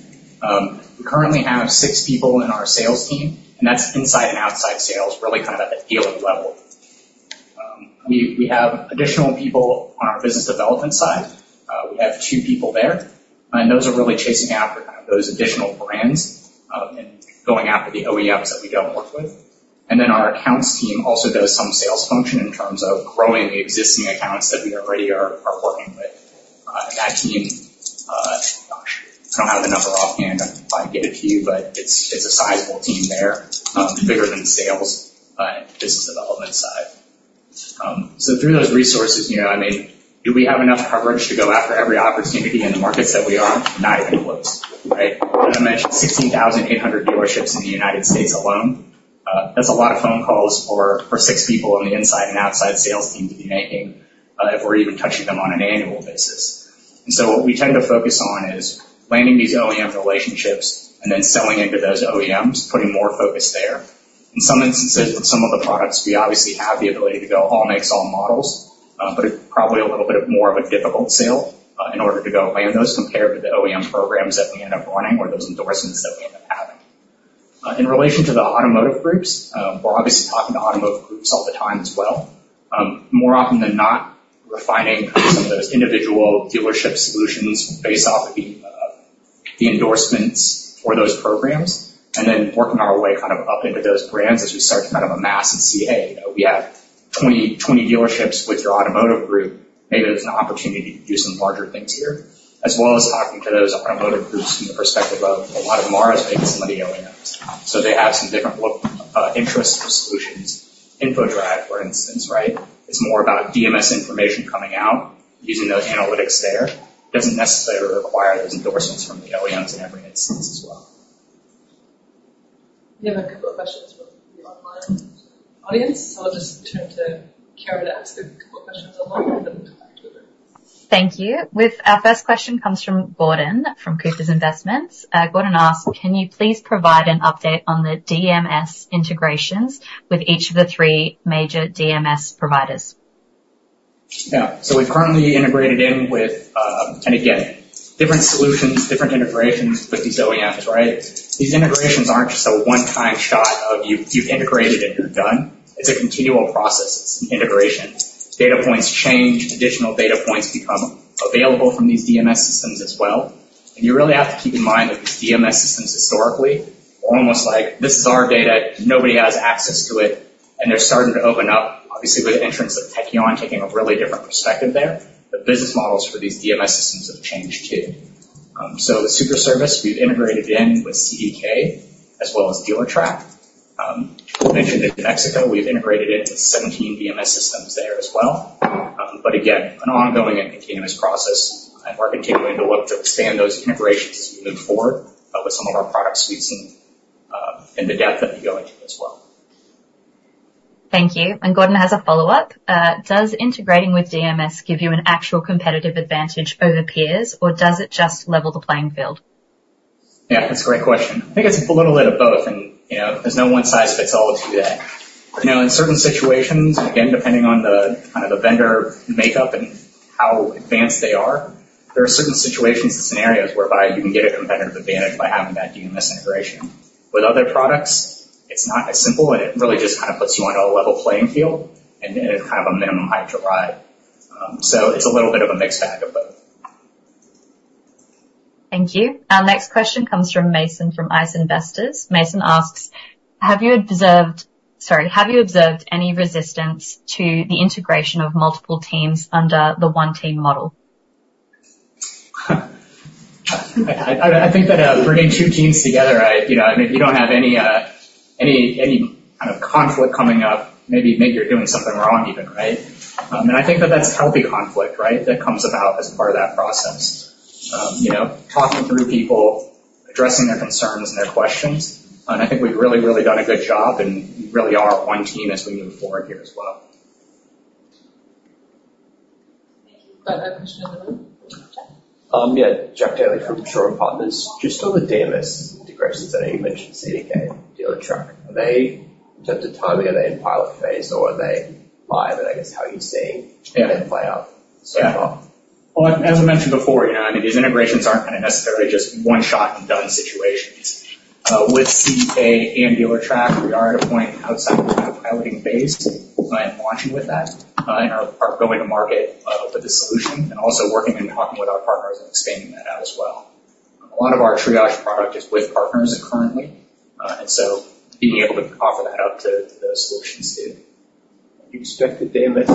S4: we currently have 6 people in our sales team, and that's inside and outside sales, really kind of at the dealer level. We have additional people on our business development side. We have 2 people there, and those are really chasing after kind of those additional brands, and going after the OEMs that we don't work with. And then our accounts team also does some sales function in terms of growing the existing accounts that we already are working with. That team, gosh, I don't have the number offhand. I'd get it to you, but it's a sizable team there, bigger than sales, but business development side. So through those resources, you know, I mean, do we have enough coverage to go after every opportunity in the markets that we are? Not even close, right? I mentioned 16,800 dealerships in the United States alone. That's a lot of phone calls for, for 6 people on the inside and outside sales team to be making, if we're even touching them on an annual basis. And so what we tend to focus on is landing these OEM relationships and then selling into those OEMs, putting more focus there. In some instances, with some of the products, we obviously have the ability to go all makes, all models, but it's probably a little bit more of a difficult sale in order to go land those compared to the OEM programs that we end up running or those endorsements that we end up having. In relation to the automotive groups, we're obviously talking to automotive groups all the time as well. More often than not, we're finding some of those individual dealership solutions based off of the endorsements for those programs, and then working our way kind of up into those brands as we start to kind of amass and see, Hey, you know, we have 20, 20 dealerships with your automotive group. Maybe there's an opportunity to do some larger things here. As well as talking to those automotive groups from the perspective of a lot of [imaudible], maybe some of the OEMs, so they have some different look, interest solutions. InfoDrive, for instance, right, is more about DMS information coming out, using those analytics there. It doesn't necessarily require those endorsements from the OEMs in every instance as well.
S1: We have a couple of questions from the online audience, so I'll just turn to Kiara to ask a couple questions online. Thank you. With our first question comes from Gordon, from Cooper Investors. Gordon asks: Can you please provide an update on the DMS integrations with each of the three major DMS providers?
S4: Yeah. So we've currently integrated in with, and again, different solutions, different integrations with these OEMs, right? These integrations aren't just a one-time shot of you, you've integrated and you're done. It's a continual process. It's an integration. Data points change, additional data points become available from these DMS systems as well. And you really have to keep in mind that these DMS systems historically almost like, this is our data, nobody has access to it, and they're starting to open up, obviously, with the entrance of Tekion taking a really different perspective there. The business models for these DMS systems have changed, too. So with Superservice, we've integrated in with CDK as well as Dealertrack. We mentioned in Mexico, we've integrated into 17 DMS systems there as well. But again, an ongoing and continuous process, and we're continuing to look to expand those integrations as we move forward with some of our product suites and the depth that we go into as well.
S1: Thank you. And Gordon has a follow-up. Does integrating with DMS give you an actual competitive advantage over peers, or does it just level the playing field? Yeah, that's a great question. I think it's a little bit of both, and, you know, there's no one-size-fits-all to that. You know, in certain situations, again, depending on the, kind of the vendor makeup and how advanced they are, there are certain situations and scenarios whereby you can get a competitive advantage by having that DMS integration. With other products, it's not as simple, and it really just kind of puts you on a level playing field, and it's kind of a minimum height to ride. So it's a little bit of a mixed bag of both. Thank you. Our next question comes from Mason, from ICE Investors. Mason asks, "Have you observed... " Sorry. "Have you observed any resistance to the integration of multiple teams under the One Team model? I think that bringing two teams together, you know, I mean, if you don't have any kind of conflict coming up, maybe you're doing something wrong even, right? I think that that's healthy conflict, right, that comes about as a part of that process. You know, talking through people, addressing their concerns and their questions, and I think we've really, really done a good job, and we really are One Team as we move forward here as well. Thank you. We have a question over there.
S5: Yeah, Geoff Daley from Shaw and Partners. Just on the DMS integrations that you mentioned, CDK, Dealertrack, are they taking the time, are they in pilot phase, or are they live, and I guess, how are you seeing- Yeah. -them play out so far? Well, as I mentioned before, you know, I mean, these integrations aren't necessarily just one shot and done situations. With CDK and Dealertrack, we are at a point outside of the piloting phase and launching with that, and are going to market with the solution and also working and talking with our partners and expanding that out as well. A lot of our Triage product is with partners currently, and so being able to offer that out to, to those solutions, too. You expect the DMS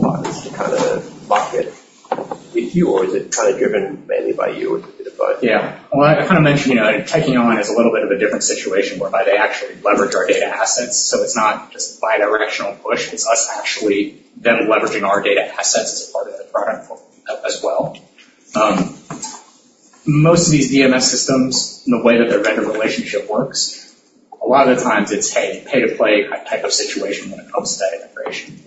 S5: partners to kind of market with you, or is it kind of driven mainly by you, or a bit of both? Yeah. Well, I kind of mentioned, you know, taking on is a little bit of a different situation whereby they actually leverage our data assets, so it's not just bidirectional push. It's us actually them leveraging our data assets as a part of the product as well. Most of these DMS systems, the way that their vendor relationship works, a lot of the times it's, hey, pay-to-play type of situation when it comes to that integration.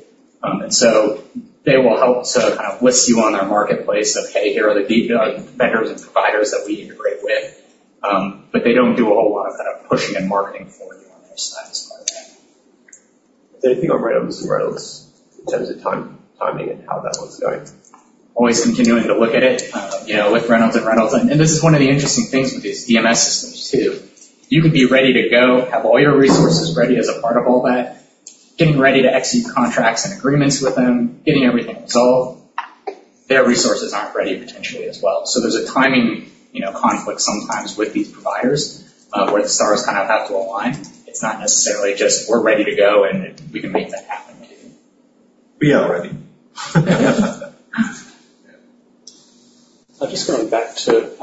S5: And so they will help to kind of list you on their marketplace of, hey, here are the vendors and providers that we integrate with, but they don't do a whole lot of kind of pushing and marketing for you on their side as part of that. Do you think on Reynolds and Reynolds, in terms of time, timing and how that one's going? Always continuing to look at it, you know, with Reynolds and Reynolds. And this is one of the interesting things with these DMS systems, too. You can be ready to go, have all your resources ready as a part of all that, getting ready to execute contracts and agreements with them, getting everything resolved. Their resources aren't ready potentially as well. So there's a timing, you know, conflict sometimes with these providers, where the stars kind of have to align. It's not necessarily just we're ready to go, and we can make that happen.
S2: We are ready. Yeah.
S6: I'm just going back to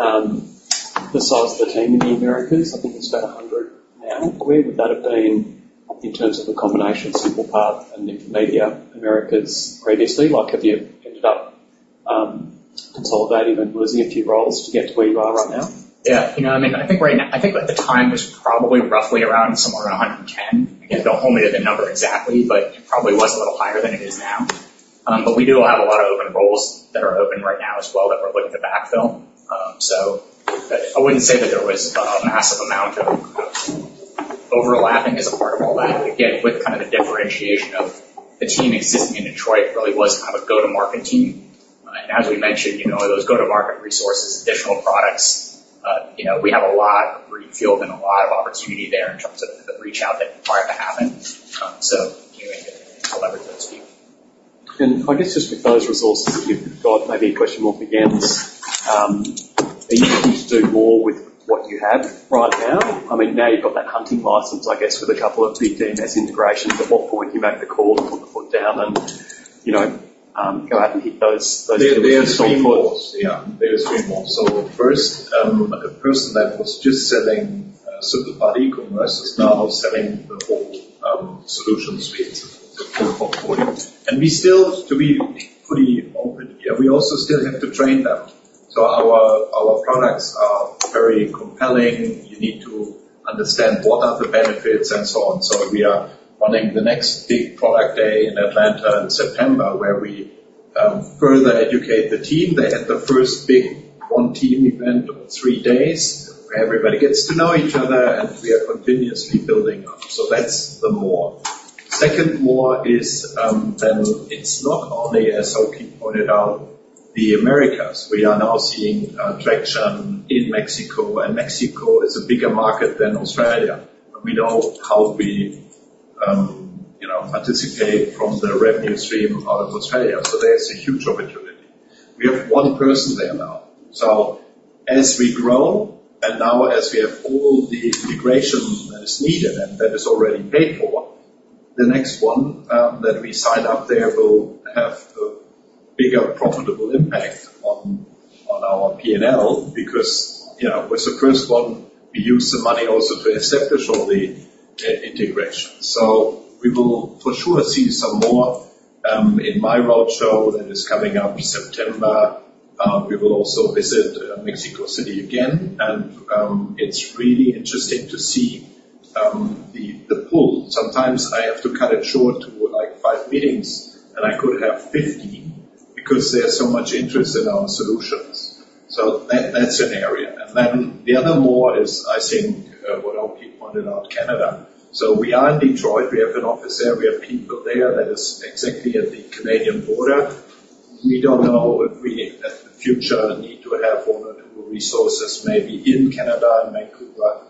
S6: the size of the team in the Americas. I think it's about 100 now. Where would that have been in terms of the combination, SimplePart and Infomedia, Americas previously? Like, have you ended up consolidating and losing a few roles to get to where you are right now? Yeah. You know, I mean, I think right now... I think at the time it was probably roughly around somewhere around 110. Again, don't hold me to the number exactly, but it probably was a little higher than it is now. But we do have a lot of open roles that are open right now as well, that we're looking to backfill. So but I wouldn't say that there was a massive amount of overlapping as a part of all that. Again, with kind of the differentiation of the team existing in Detroit really was kind of a go-to-market team. And as we mentioned, you know, those go-to-market resources, additional products, you know, we have a lot of greenfield and a lot of opportunity there in terms of the reach out that can happen. So continuing to leverage those people. And I guess just with those resources that you've got, maybe a question more for Jens. Are you looking to do more with what you have right now? I mean, now you've got that hunting license, I guess, with a couple of big DMS integrations. At what point do you make the call and put the foot down and, you know, go out and hit those, those-
S2: There's 3 more. Yeah, there's 3 more. So first, a person that was just selling SimplePart e-commerce is now selling the whole solution suite portfolio. And we still, to be pretty open, yeah, we also still have to train them. So our, our products are very compelling. You need to understand what are the benefits and so on. So we are running the next big product day in Atlanta in September, where we further educate the team. They had the first big One Team event of 3 days, where everybody gets to know each other, and we are continuously building up. So that's the more. Second more is, then it's not only, as Oki pointed out, the Americas. We are now seeing traction in Mexico, and Mexico is a bigger market than Australia. We know how we, you know, participate from the revenue stream out of Australia, so there's a huge opportunity. We have one person there now. So as we grow, and now as we have all the integration that is needed and that is already paid for, the next one that we sign up there will have a bigger profitable impact on our P&L, because, you know, with the first one, we use the money also to set up all the integration. So we will for sure see some more in my roadshow that is coming up September. We will also visit Mexico City again. And, it's really interesting to see the pool. Sometimes I have to cut it short to, like, five meetings, and I could have 50 because there's so much interest in our solutions. So that, that's an area. And then the other more is, I think, what our people pointed out, Canada. So we are in Detroit. We have an office there, we have people there that is exactly at the Canadian border. We don't know if we, in the future, need to have more resources, maybe in Canada, in Vancouver,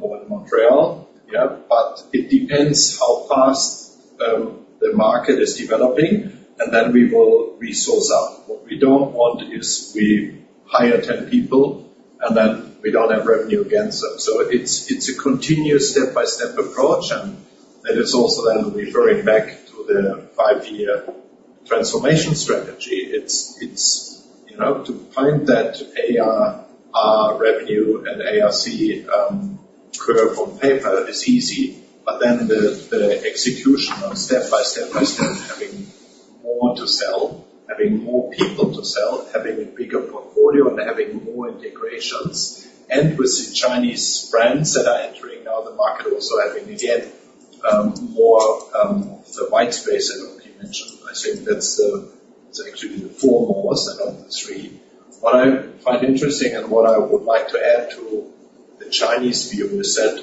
S2: or Montreal. Yeah, but it depends how fast the market is developing, and then we will resource out. What we don't want is we hire 10 people, and then we don't have revenue again. So, so it's, it's a continuous step-by-step approach, and that is also then referring back to the five-year transformation strategy. It's, you know, to find that ARR revenue and [inaudilble] on paper is easy, but then the execution on step by step by step, having more to sell, having more people to sell, having a bigger portfolio, and having more integrations. And with the Chinese brands that are entering now, the market also having, again, more, the white space that you mentioned. I think that's the--it's actually the four more instead of the three. What I find interesting and what I would like to add to the Chinese view, you said,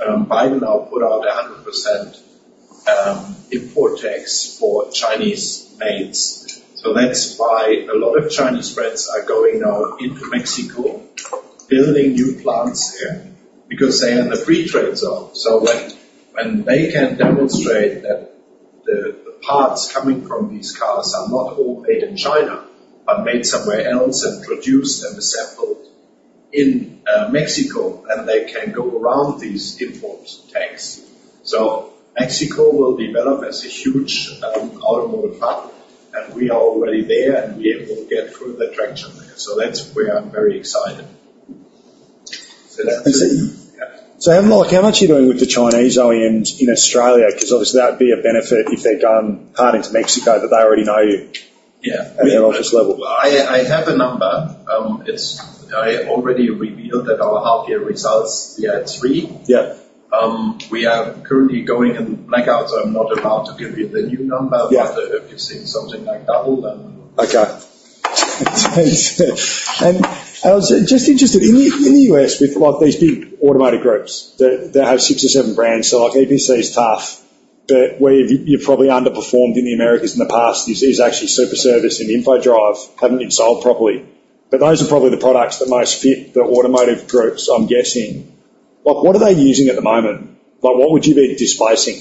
S2: Biden now put out a 100% import tax for Chinese-made. So that's why a lot of Chinese brands are going now into Mexico, building new plants there, because they are in the free trade zone. So when they can demonstrate that the parts coming from these cars are not all made in China, but made somewhere else and produced and assembled in Mexico, and they can go around these import tariffs. So Mexico will develop as a huge automotive hub, and we are already there, and we will get further traction there. So that's where I'm very excited.
S6: Hamish, how much are you doing with the Chinese OEMs in Australia? Because obviously, that would be a benefit if they've brought parts into Mexico, but they already know you.
S2: Yeah.
S6: At an office level.
S2: I have a number. I already revealed that our half-year results, yeah, it's 3.
S6: Yeah.
S2: We are currently going in blackouts, so I'm not allowed to give you the new number.
S6: Yeah.
S2: But if you've seen something like double, then.
S6: Okay. And I was just interested in the US with, like, these big automotive groups that have six or seven brands, so like, [inaudilble] is tough, but where you've probably underperformed in the Americas in the past is actually Superservice and InfoDrive haven't been sold properly. But those are probably the products that most fit the automotive groups, I'm guessing. Like, what are they using at the moment? Like, what would you be displacing?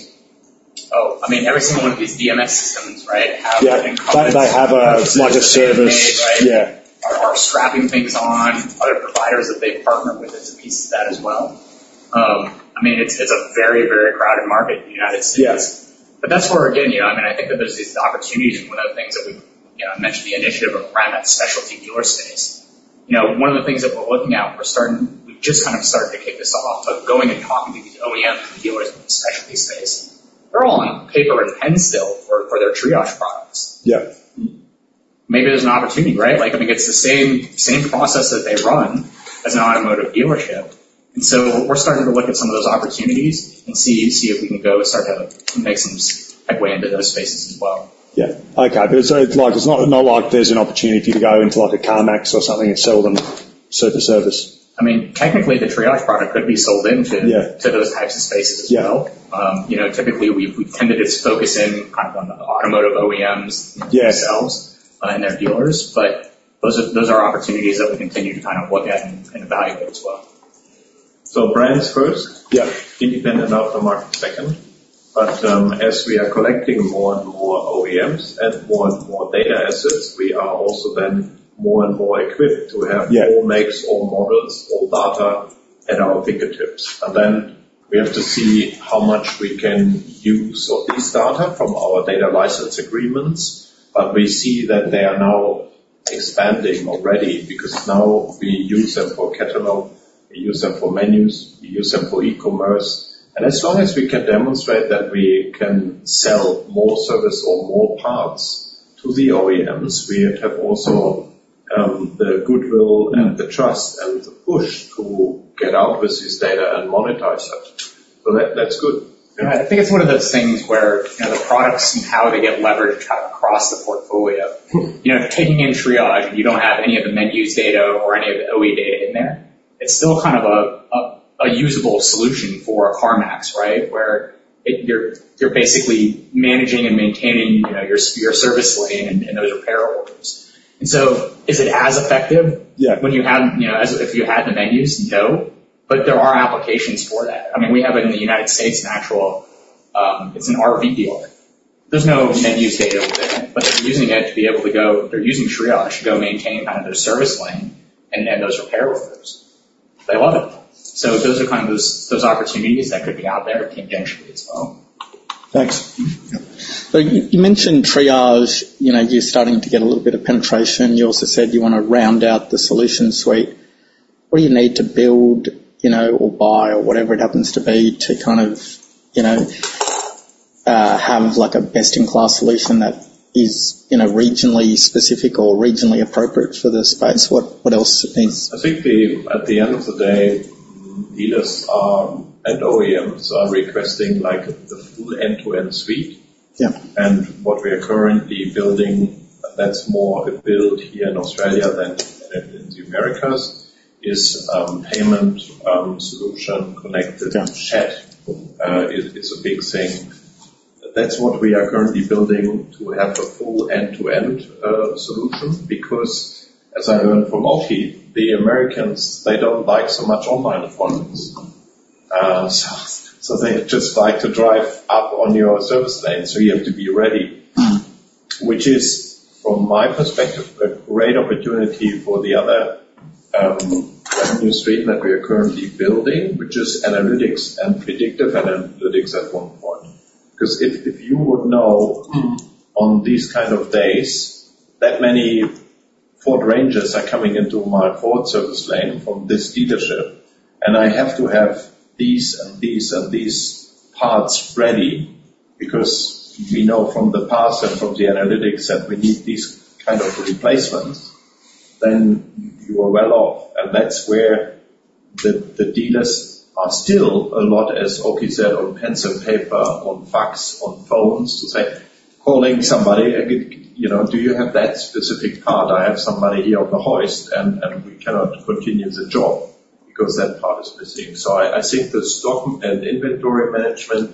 S6: Oh, I mean, every single one of these DMS systems, right? Yeah, they have a, like a service. Yeah. Are strapping things on other providers that they partner with as a piece of that as well. I mean, it's, it's a very, very crowded market in the United States. Yes. But that's where, again, you know, I mean, I think that there's these opportunities, and one of the things that we, you know, mentioned the initiative around that specialty dealer space. You know, one of the things that we're looking at, we're starting—we've just kind of started to kick this off, but going and talking to these OEM dealers in the specialty space, they're all on paper and pencil for their Triage products. Yeah. Maybe there's an opportunity, right? Like, I mean, it's the same, same process that they run as an automotive dealership. And so we're starting to look at some of those opportunities and see, see if we can go and start to make some headway into those spaces as well. Yeah. Okay. But so, like, it's not like there's an opportunity for you to go into, like, a CarMax or something and sell them Superservice. I mean, technically, the Triage product could be sold into- Yeah to those types of spaces as well. Yeah. You know, typically, we, we tended to focus in kind of on the automotive OEMs- Yes themselves and their dealers, but those are, those are opportunities that we continue to kind of look at and, and evaluate as well.
S2: So brands first-
S6: Yeah
S2: -independent after market second. But, as we are collecting more and more OEMs and more and more data assets, we are also then more and more equipped to have-
S6: Yeah
S2: all makes, all models, all data at our fingertips. Then we have to see how much we can use of this data from our data license agreements, but we see that they are now expanding already because now we use them for catalog, we use them for menus, we use them for e-commerce. As long as we can demonstrate that we can sell more service or more parts to the OEMs, we have also the goodwill and the trust and the push to get out with this data and monetize that. So, that, that's good. I think it's one of those things where, you know, the products and how they get leveraged kind of across the portfolio. You know, if you're taking in Triage and you don't have any of the menus data or any of the OE data in there, it's still kind of a usable solution for a CarMax, right? Where it—you're, you're basically managing and maintaining, you know, your, your service lane and, and those repair orders. And so is it as effective-
S6: Yeah When you have, you know, as if you had the menus? No, but there are applications for that. I mean, we have it in the United States, naturally—it's an RV dealer. There's no menu data with it, but they're using it to be able to go—they're using Triage to go maintain kind of their service lane and, and those repair orders. They love it! So those are kind of those, those opportunities that could be out there potentially as well.
S3: Thanks. So you mentioned Triage, you know, you're starting to get a little bit of penetration. You also said you wanna round out the solution suite. What do you need to build, you know, or buy or whatever it happens to be, to kind of, you know, have like a best-in-class solution that is, you know, regionally specific or regionally appropriate for the space? What, what else it needs?
S2: I think, at the end of the day, dealers are, and OEMs are requesting, like, the full end-to-end suite.
S3: Yeah.
S2: What we are currently building, that's more built here in Australia than in the Americas, is a payment solution connected to chat, which is a big thing. That's what we are currently building to have a full end-to-end solution, because as I learned from Oki, the Americans, they don't like so much online forms. So they just like to drive up on your service lane, so you have to be ready. Which is, from my perspective, a great opportunity for the other revenue stream that we are currently building, which is analytics and predictive analytics at one point. 'Cause if you would know on these kind of days that many Ford Rangers are coming into my Ford service lane from this dealership, and I have to have these, and these, and these parts ready, because we know from the past and from the analytics that we need these kind of replacements, then you are well off. And that's where the dealers are still a lot, as Oki said, on pencil and paper, on fax, on phones, to say, calling somebody and, you know, "Do you have that specific part? I have somebody here on the hoist, and we cannot continue the job because that part is missing." So I think the stock and inventory management,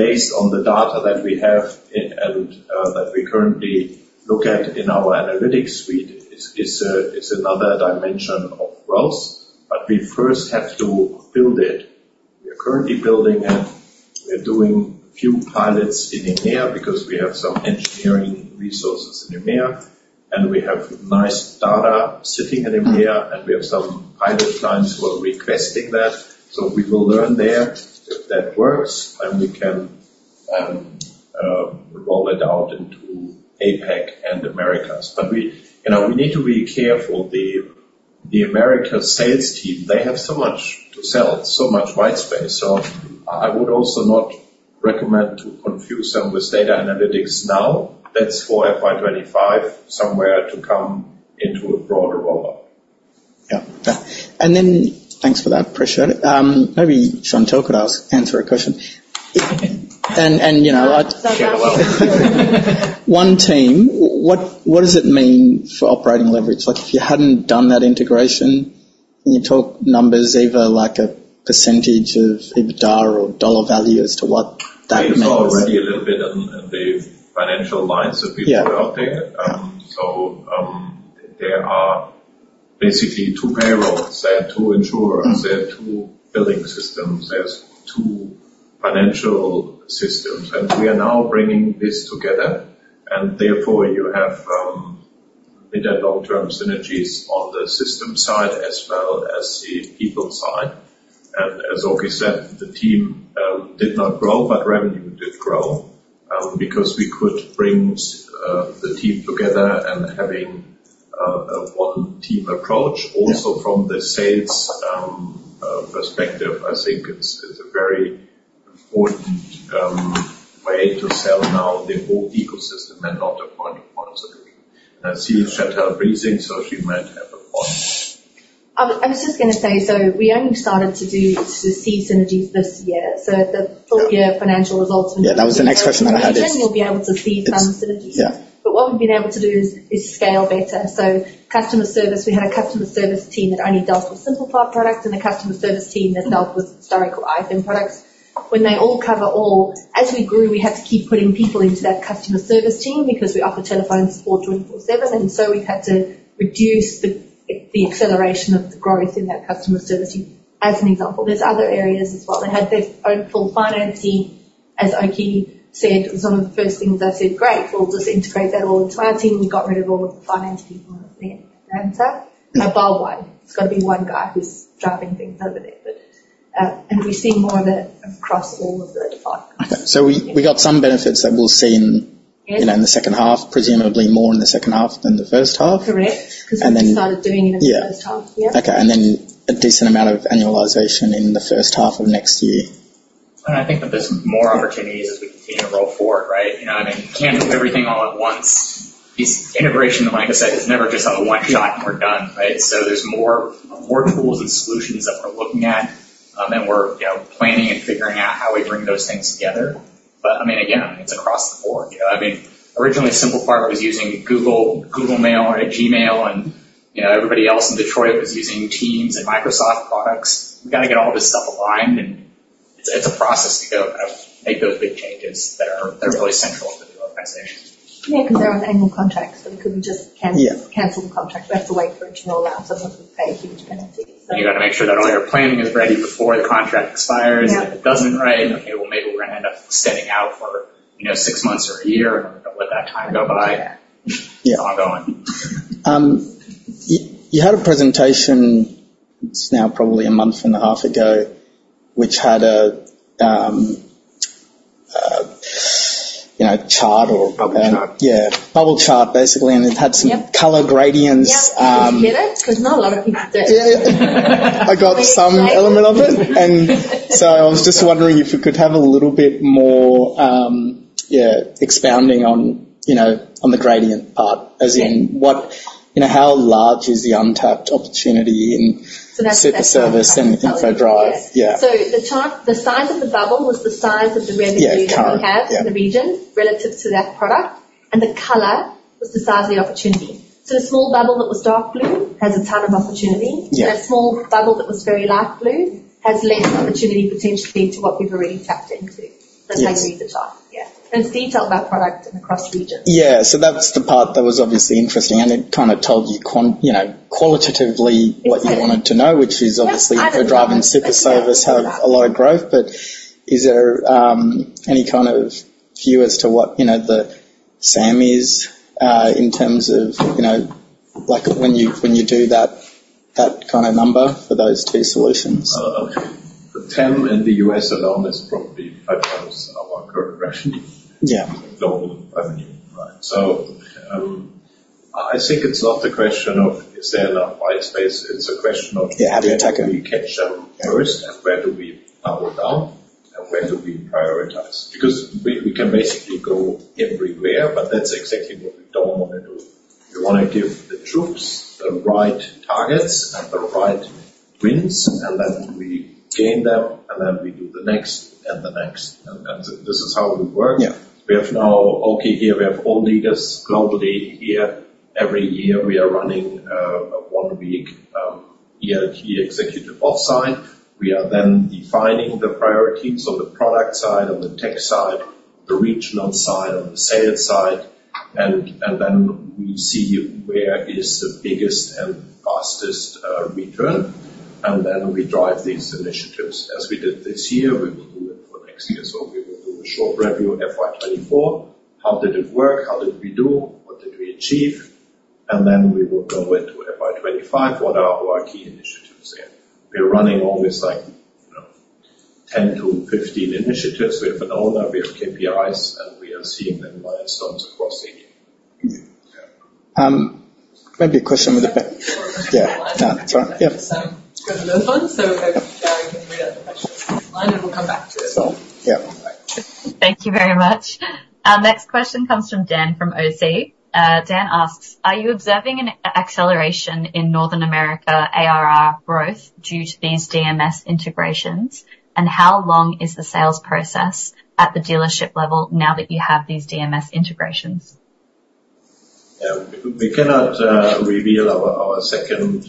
S2: based on the data that we have and that we currently look at in our analytics suite, is another dimension of growth, but we first have to build it. We are currently building it. We're doing a few pilots in EMEA because we have some engineering resources in EMEA, and we have nice data sitting in EMEA, and we have some pilot clients who are requesting that. So we will learn there if that works, and we can roll it out into APAC and Americas. But we... You know, we need to be careful. The Americas sales team, they have so much to sell, so much white space, so I would also not recommend to confuse them with data analytics now. That's for FY 25, somewhere to come into a broader rollout.
S3: Yeah. Yeah. And then thanks for that pressure. Maybe, Chantell, could answer a question? And, and, you know, I-
S7: Share the love.
S3: One Team, what, what does it mean for operating leverage? Like, if you hadn't done that integration, can you talk numbers, either like a percentage of EBITDA or dollar value as to what that means?
S2: You saw already a little bit on the financial lines that we put out there.
S3: Yeah.
S2: There are basically two payrolls, there are two insurers-
S3: Mm.
S2: There are two billing systems, there's two financial systems, and we are now bringing this together, and therefore, you have mid- and long-term synergies on the system side as well as the people side. As Oki said, the team did not grow, but revenue did grow, because we could bring the team together and having a one-team approach.
S3: Yeah.
S2: Also from the sales perspective, I think it's, it's a very important way to sell now, the whole ecosystem and not the point solutions. And I see Chantell raising, so she might have a point.
S7: I was just gonna say, so we only started to see synergies this year. So the full year financial results-
S3: Yeah, that was the next question that I had.
S7: Then we'll be able to see some synergies.
S3: Yeah.
S7: But what we've been able to do is scale better. So customer service, we had a customer service team that only dealt with SimplePart products and a customer service team that dealt with [inaudible] or [inaudible] products. When they all cover all, as we grew, we had to keep putting people into that customer service team because we offer telephone support 24/7, and so we've had to reduce the acceleration of the growth in that customer service team, as an example. There's other areas as well. They had their own full finance team, as Oki said, some of the first things I said: "Great, we'll just integrate that all into our team." We got rid of all of the finance team on there. Above one, it's gotta be one guy who's driving things over there, but, and we've seen more of it across all of the departments.
S3: Okay. So we got some benefits that we'll see in-
S7: Yes.
S3: You know, in the second half, presumably more in the second half than the first half?
S7: Correct.
S3: And then-
S7: 'Cause we just started doing it in the first half.
S3: Yeah.
S7: Yeah.
S3: Okay, and then a decent amount of annualization in the first half of next year. And I think that there's more opportunities as we continue to roll forward, right? You know what I mean? Can't do everything all at once. This integration, like I said, is never just a one shot, and we're done, right? So there's more, more tools and solutions that we're looking at, and we're, you know, planning and figuring out how we bring those things together. But, I mean, again, it's across the board. You know, I mean, originally, SimplePart was using Google, Google Mail or Gmail, and, you know, everybody else in Detroit was using Teams and Microsoft products. We've got to get all this stuff aligned, and it's, it's a process to go, make those big changes that are, that are really central to the-...
S1: Yeah, because they're on annual contracts, so we couldn't just cancel- Yeah. Cancel the contract. We have to wait for it to roll out, so it doesn't pay a huge penalty. You got to make sure that all your planning is ready before the contract expires. Yeah. If it doesn't, right, okay, well, maybe we're going to end up extending out for, you know, six months or a year and let that time go by. Yeah. Ongoing.
S3: You had a presentation. It's now probably a month and a half ago, which had a, you know, chart or- Bubble chart. Yeah, bubble chart, basically.
S1: Yep.
S3: It had some color gradients.
S1: Yeah. Did you get it? Because not a lot of people did.
S3: Yeah, yeah. I got some element of it, and so I was just wondering if we could have a little bit more, yeah, expounding on, you know, on the gradient part, as in what... You know, how large is the untapped opportunity in-
S1: So that's-
S3: Superservice and InfoDrive?
S1: Yeah.
S3: Yeah.
S1: So the size of the bubble was the size of the revenue-
S3: Yeah, chart.
S1: that we have in the region relative to that product, and the color was the size of the opportunity. So a small bubble that was dark blue has a ton of opportunity.
S3: Yeah.
S1: A small bubble that was very light blue has less opportunity potentially to what we've already tapped into.
S3: Yes.
S1: But maybe the chart. Yeah, and it's detailed about product and across regions.
S3: Yeah. So that's the part that was obviously interesting, and it kind of told you, you know, qualitatively-
S1: Exactly.
S3: what you wanted to know, which is obviously
S1: Yeah,
S3: InfoDrive and Superservice have a lot of growth, but is there any kind of view as to what, you know, the SAM is, in terms of, you know, like when you, when you do that, that kind of number for those two solutions?
S2: Okay. The SAM in the U.S. alone is probably five times our current revenue.
S3: Yeah.
S2: Global revenue. Right. So, I think it's not the question of is there enough white space? It's a question of-
S3: Yeah, how to tackle?
S2: How do we catch them first and where do we double down and where do we prioritize? Because we, we can basically go everywhere, but that's exactly what we don't want to do. We want to give the troops the right targets and the right wins, and then we gain them, and then we do the next and the next, and, and this is how we work.
S3: Yeah.
S2: We have now, okay, here we have all leaders globally here. Every year, we are running one week ELT executive offsite. We are then defining the priorities on the product side, on the tech side, the regional side, on the sales side, and, and then we see where is the biggest and fastest return, and then we drive these initiatives, as we did this year, we will do it for next year. So we will do a short review, FY 2024, how did it work? How did we do? What did we achieve? And then we will go into FY 2025. What are our key initiatives there? We are running always like, you know, 10-15 initiatives. We have an owner, we have KPIs, and we are seeing the milestones across the team.
S3: Maybe a question with the back.
S1: Yeah.
S3: Sorry. Yeah.
S1: Go to the other one. So we'll go, and we have the question, and we'll come back to it.
S3: So, yeah. Thank you very much. Our next question comes from Dan, from Ord Minnett. Dan asks: Are you observing an acceleration in North America ARR growth due to these DMS integrations? And how long is the sales process at the dealership level now that you have these DMS integrations?
S2: Yeah. We cannot reveal our second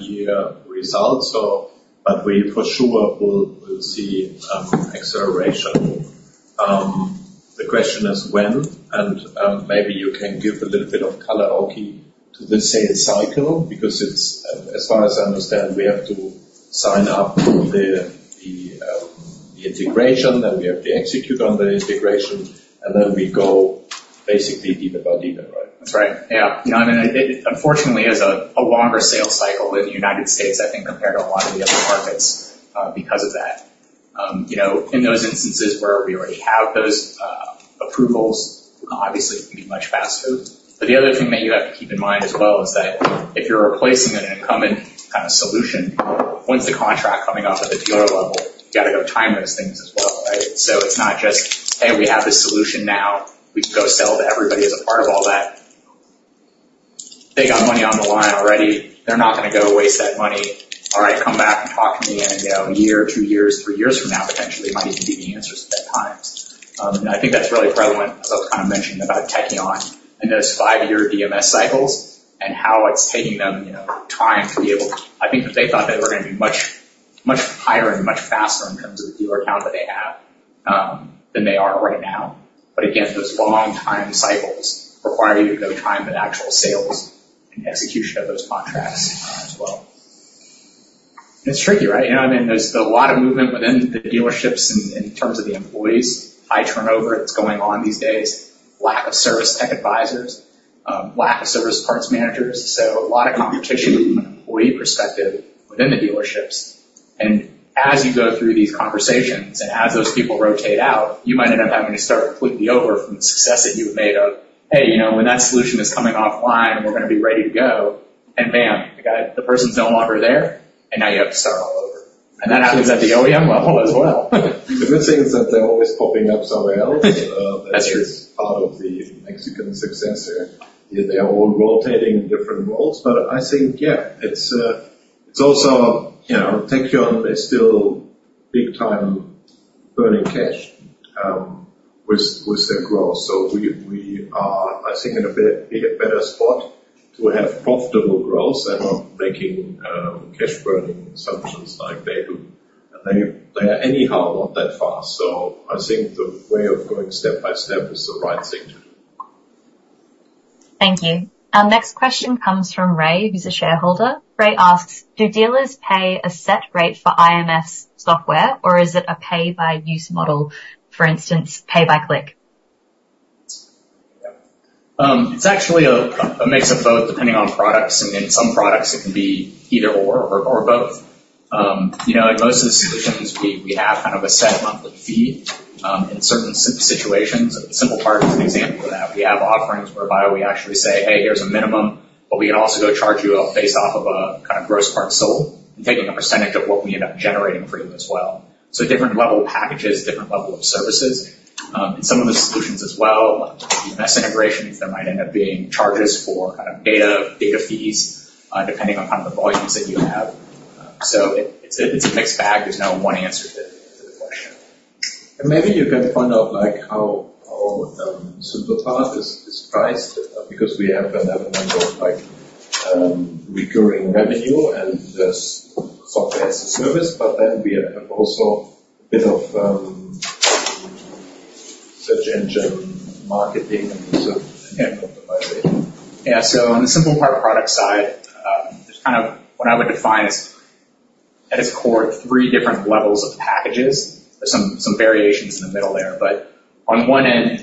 S2: year results, but we for sure will see acceleration. The question is when, and maybe you can give a little bit of color, Oki, to the sales cycle, because as far as I understand, we have to sign up the integration, then we have to execute on the integration, and then we go basically deal by deal, right? That's right. Yeah. You know, and it unfortunately is a longer sales cycle in the United States, I think, compared to a lot of the other markets, because of that. You know, in those instances where we already have those approvals, obviously it can be much faster. But the other thing that you have to keep in mind as well is that if you're replacing an incumbent kind of solution, when's the contract coming off at the dealer level? You got to go time those things as well, right? So it's not just, "Hey, we have this solution now. We can go sell to everybody as a part of all that." They got money on the line already. They're not going to go waste that money. All right, come back and talk to me in, you know, a year or two years, three years from now, potentially might even be the answers at times. I think that's really relevant to kind of mentioning about Tekion and those five-year DMS cycles and how it's taking them, you know, time to be able to... I think that they thought they were going to be much, much higher and much faster in terms of the dealer count that they have, than they are right now. But again, those long time cycles require you to go time the actual sales and execution of those contracts, as well. It's tricky, right? You know, I mean, there's a lot of movement within the dealerships in terms of the employees. High turnover that's going on these days, lack of service tech advisors, lack of service parts managers. So a lot of competition from an employee perspective within the dealerships. And as you go through these conversations and as those people rotate out, you might end up having to start completely over from the success that you've made of, "Hey, you know, when that solution is coming offline, and we're going to be ready to go," and bam! You got it. The person's no longer there, and now you have to start all over. And that happens at the OEM level as well. The good thing is that they're always popping up somewhere else. That's true. That's part of the Mexican success here. They are all rotating in different roles, but I think, yeah, it's also, you know, Tekion is still big time burning cash with their growth. So we are, I think, in a bit better spot to have profitable growth and not making cash burning assumptions like they do. And they are anyhow not that fast. So I think the way of going step by step is the right thing to do. Thank you. Our next question comes from Ray, who's a shareholder. Ray asks: Do dealers pay a set rate for IFM software, or is it a pay-by-use model, for instance, pay by click? It's actually a mix of both, depending on products, and in some products it can be either or, or both. You know, in most of the solutions we have kind of a set monthly fee in certain situations. SimplePart is an example of that. We have offerings whereby we actually say, "Hey, here's a minimum, but we can also go charge you a base off of a kind of gross part sold, and taking a percentage of what we end up generating for you as well." So different level of packages, different level of services. In some of the solutions as well, the best integrations, there might end up being charges for kind of data, data fees, depending on kind of the volumes that you have. So it's a mixed bag. There's no one answer to the question. And maybe you can point out, like, how SimplePart is priced, because we have another number of like, recurring revenue and there's software as a service, but then we have also a bit of, search engine marketing and so handle the budget. Yeah. So on the SimplePart product side, there's kind of what I would define as, at its core, three different levels of packages. There's some variations in the middle there, but on one end,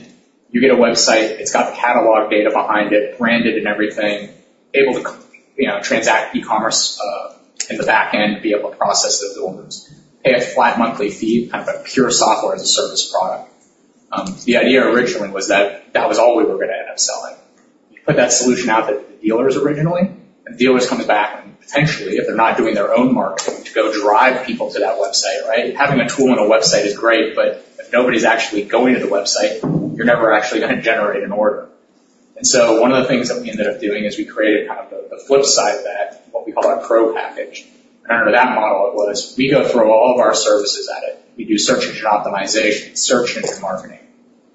S2: you get a website, it's got the catalog data behind it, branded and everything, able to you know, transact e-commerce, in the back end, be able to process the orders, pay a flat monthly fee, kind of a pure software as a service product. The idea originally was that that was all we were gonna end up selling. You put that solution out to the dealers originally, and dealers comes back and potentially, if they're not doing their own marketing, to go drive people to that website, right? Having a tool on a website is great, but if nobody's actually going to the website, you're never actually gonna generate an order. And so one of the things that we ended up doing is we created kind of the flip side of that, what we call our pro package. And under that model, it was we go throw all of our services at it. We do search engine optimization, search engine marketing,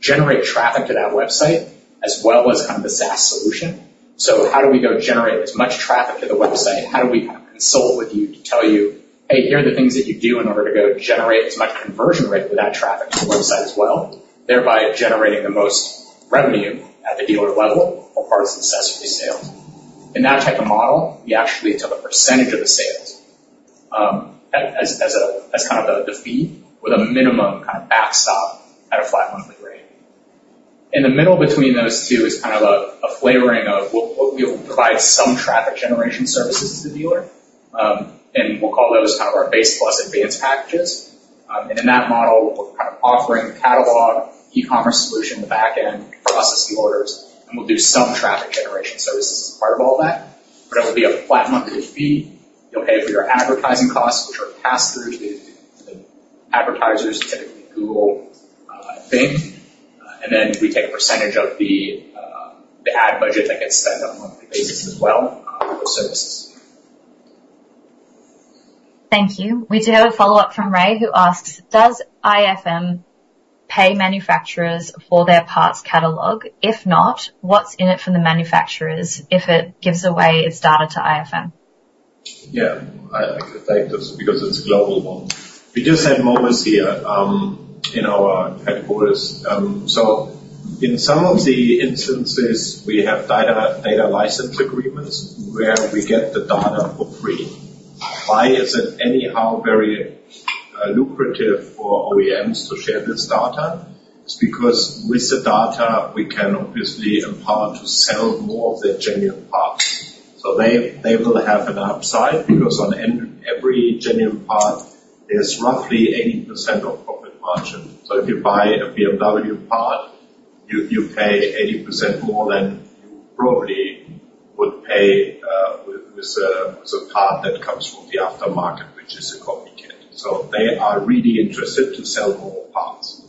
S2: generate traffic to that website, as well as kind of the SaaS solution. So how do we go generate as much traffic to the website? How do we kind of consult with you to tell you, "Hey, here are the things that you do in order to go generate as much conversion rate for that traffic to the website as well," thereby generating the most revenue at the dealer level or parts and accessory sales. In that type of model, we actually took a percentage of the sales as kind of the fee, with a minimum kind of backstop at a flat monthly rate. In the middle between those two is kind of a flavoring of we'll provide some traffic generation services to the dealer, and we'll call those kind of our base plus advanced packages. And in that model, we're kind of offering the catalog, e-commerce solution on the back end, processing orders, and we'll do some traffic generation services as part of all that. But it will be a flat monthly fee. You'll pay for your advertising costs, which are passed through to the advertisers, typically Google, Bing, and then we take a percentage of the ad budget that gets spent on a monthly basis as well, for services. Thank you. We do have a follow-up from Ray, who asks: Does IFM pay manufacturers for their parts catalog? If not, what's in it for the manufacturers if it gives away its data to IFM? Yeah, I, I could take this because it's a global one. We just had Mobis here in our headquarters. So in some of the instances, we have data, data license agreements where we get the data for free. Why is it anyhow very lucrative for OEMs to share this data? It's because with the data, we can obviously empower to sell more of their genuine parts. So they, they will have an upside, because on every genuine part, there's roughly 80% profit margin. So if you buy a BMW part, you, you pay 80% more than you probably would pay with a part that comes from the aftermarket, which is a copycat. So they are really interested to sell more parts.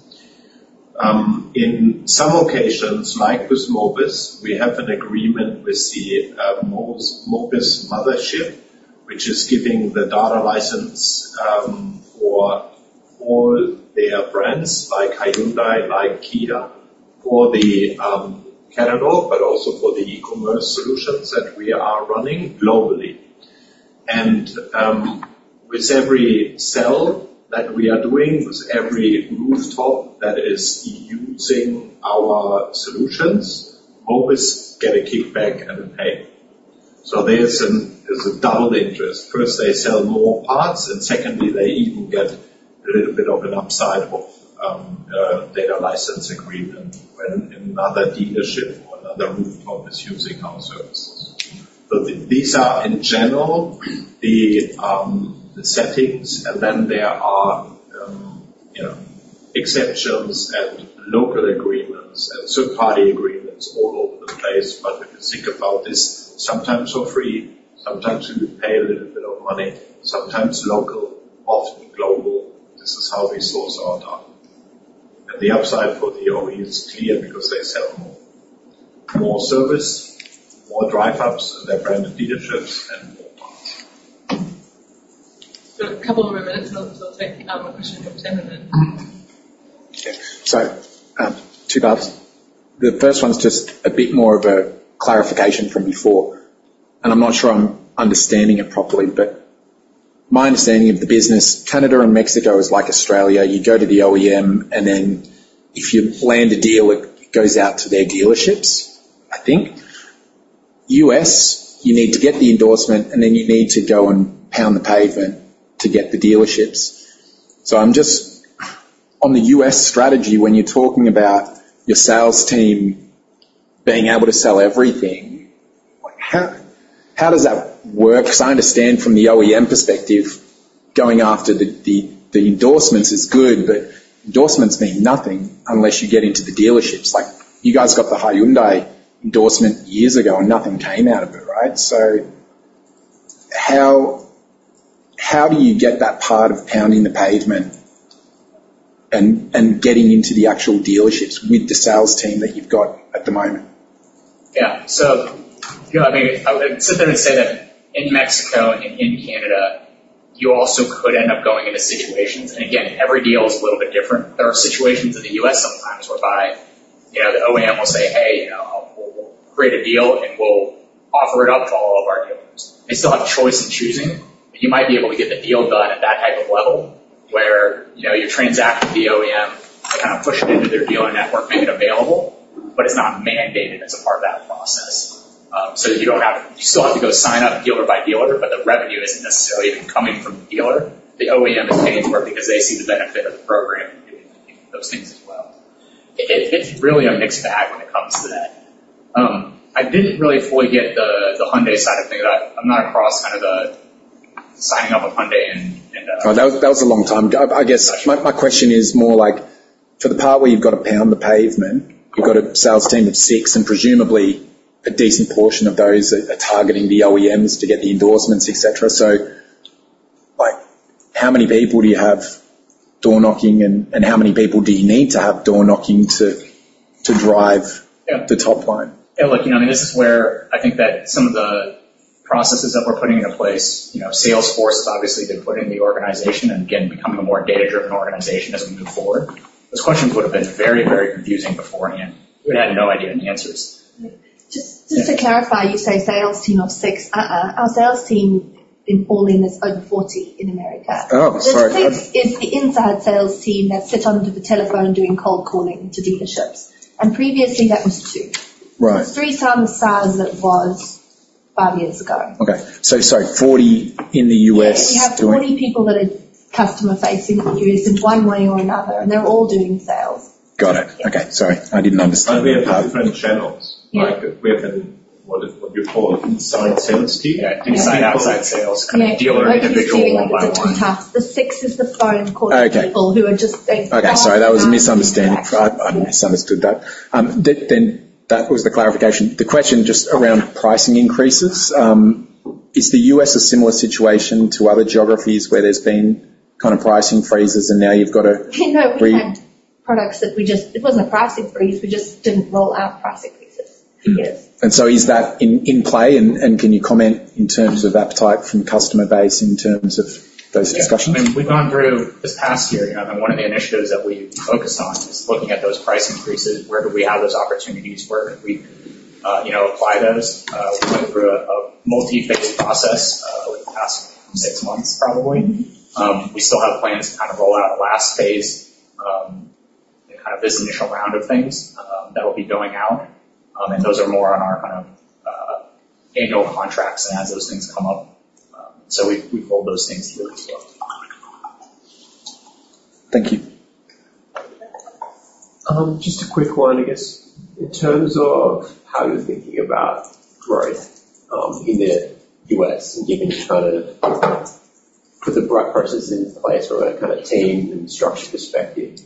S2: In some occasions, like with Mobis, we have an agreement with the Mobis, Mobis mothership, which is giving the data license for all their brands, like Hyundai, like Kia, for the catalog, but also for the e-commerce solutions that we are running globally. With every sell that we are doing, with every rooftop that is using our solutions, Mobis get a kickback and a pay. So there's a double interest. First, they sell more parts, and secondly, they even get a little bit of an upside of data license agreement when another dealership or another rooftop is using our services. So these are in general the settings, and then there are, you know, exceptions and local agreements and third-party agreements all over the place. If you think about this, sometimes for free, sometimes you pay a little bit of money, sometimes local, often global. This is how we source our data. The upside for the OE is clear because they sell more. More service, more drive ups in their branded dealerships, and more parts.
S1: A couple more minutes. I'll, I'll take another question from Tim, and then-...
S4: Yeah. So, two parts. The first one is just a bit more of a clarification from before, and I'm not sure I'm understanding it properly, but my understanding of the business, Canada and Mexico, is like Australia. You go to the OEM, and then if you land a deal, it goes out to their dealerships, I think. US, you need to get the endorsement, and then you need to go and pound the pavement to get the dealerships. So I'm just... On the US strategy, when you're talking about your sales team being able to sell everything, how does that work? Because I understand from the OEM perspective, going after the endorsements is good, but endorsements mean nothing unless you get into the dealerships. Like, you guys got the Hyundai endorsement years ago, and nothing came out of it, right? So how do you get that part of pounding the pavement and getting into the actual dealerships with the sales team that you've got at the moment? Yeah. So, you know, I mean, I would sit there and say that in Mexico and in Canada, you also could end up going into situations, and again, every deal is a little bit different. There are situations in the U.S. sometimes whereby, you know, the OEM will say, "Hey, you know, we'll create a deal, and we'll offer it up to all of our dealers." They still have choice in choosing, but you might be able to get the deal done at that type of level where, you know, you transact with the OEM to kind of push it into their dealer network, make it available, but it's not mandated as a part of that process. So you don't have, you still have to go sign up dealer by dealer, but the revenue isn't necessarily even coming from the dealer. The OEM is paying for it because they see the benefit of the program, those things as well. It's really a mixed bag when it comes to that. I didn't really fully get the Hyundai side of things. I'm not across kind of the signing up with Hyundai. That was, that was a long time ago. I, I guess my, my question is more like for the part where you've got to pound the pavement. You've got a sales team of 6 and presumably a decent portion of those are, are targeting the OEMs to get the endorsements, et cetera. So, like, how many people do you have door-knocking, and, and how many people do you need to have door-knocking to, to drive- Yeah. the top line? Yeah, look, you know, I mean, this is where I think that some of the processes that we're putting into place, you know, Salesforce has obviously been put in the organization and again, becoming a more data-driven organization as we move forward. This question would have been very, very confusing beforehand. We'd had no idea the answers.
S7: Just, just to clarify, you say sales team of 6. Uh-uh. Our sales team in all in is over 40 in America.
S4: Oh, sorry.
S7: It's the inside sales team that sit under the telephone doing cold calling to dealerships, and previously, that was 2.
S4: Right.
S7: 3 times the size it was 5 years ago.
S4: Okay. So sorry, 40 in the US?
S7: Yeah, we have 40 people that are customer-facing in the U.S. in one way or another, and they're all doing sales.
S4: Got it.
S7: Yeah.
S4: Okay, sorry, I didn't understand.
S2: But we have different channels.
S7: Yeah.
S2: Like, we have an, what you call inside sales team? Yeah, inside, outside sales, kind of dealer, individual, one by one.
S7: The six is the phone calling people-
S4: Okay.
S7: who are just
S4: Okay, sorry, that was a misunderstanding. I misunderstood that. Then that was the clarification. The question just around pricing increases is the US a similar situation to other geographies where there's been kind of pricing freezes and now you've got to-
S7: You know, we had products that we just... It wasn't a pricing freeze, we just didn't roll out pricing freezes. Yes.
S4: So, is that in play, and can you comment in terms of appetite from customer base, in terms of those discussions? Yeah. I mean, we've gone through this past year, you know, and one of the initiatives that we focused on is looking at those price increases, where do we have those opportunities, where we, you know, apply those. We went through a multi-phase process over the past six months, probably. We still have plans to kind of roll out a last phase, kind of this initial round of things, that will be going out, and those are more on our kind of annual contracts and as those things come up. So we hold those things here as well. Thank you.
S5: Just a quick one, I guess. In terms of how you're thinking about growth, in the US, and given you kind of put the right processes in place from a kind of team and structure perspective,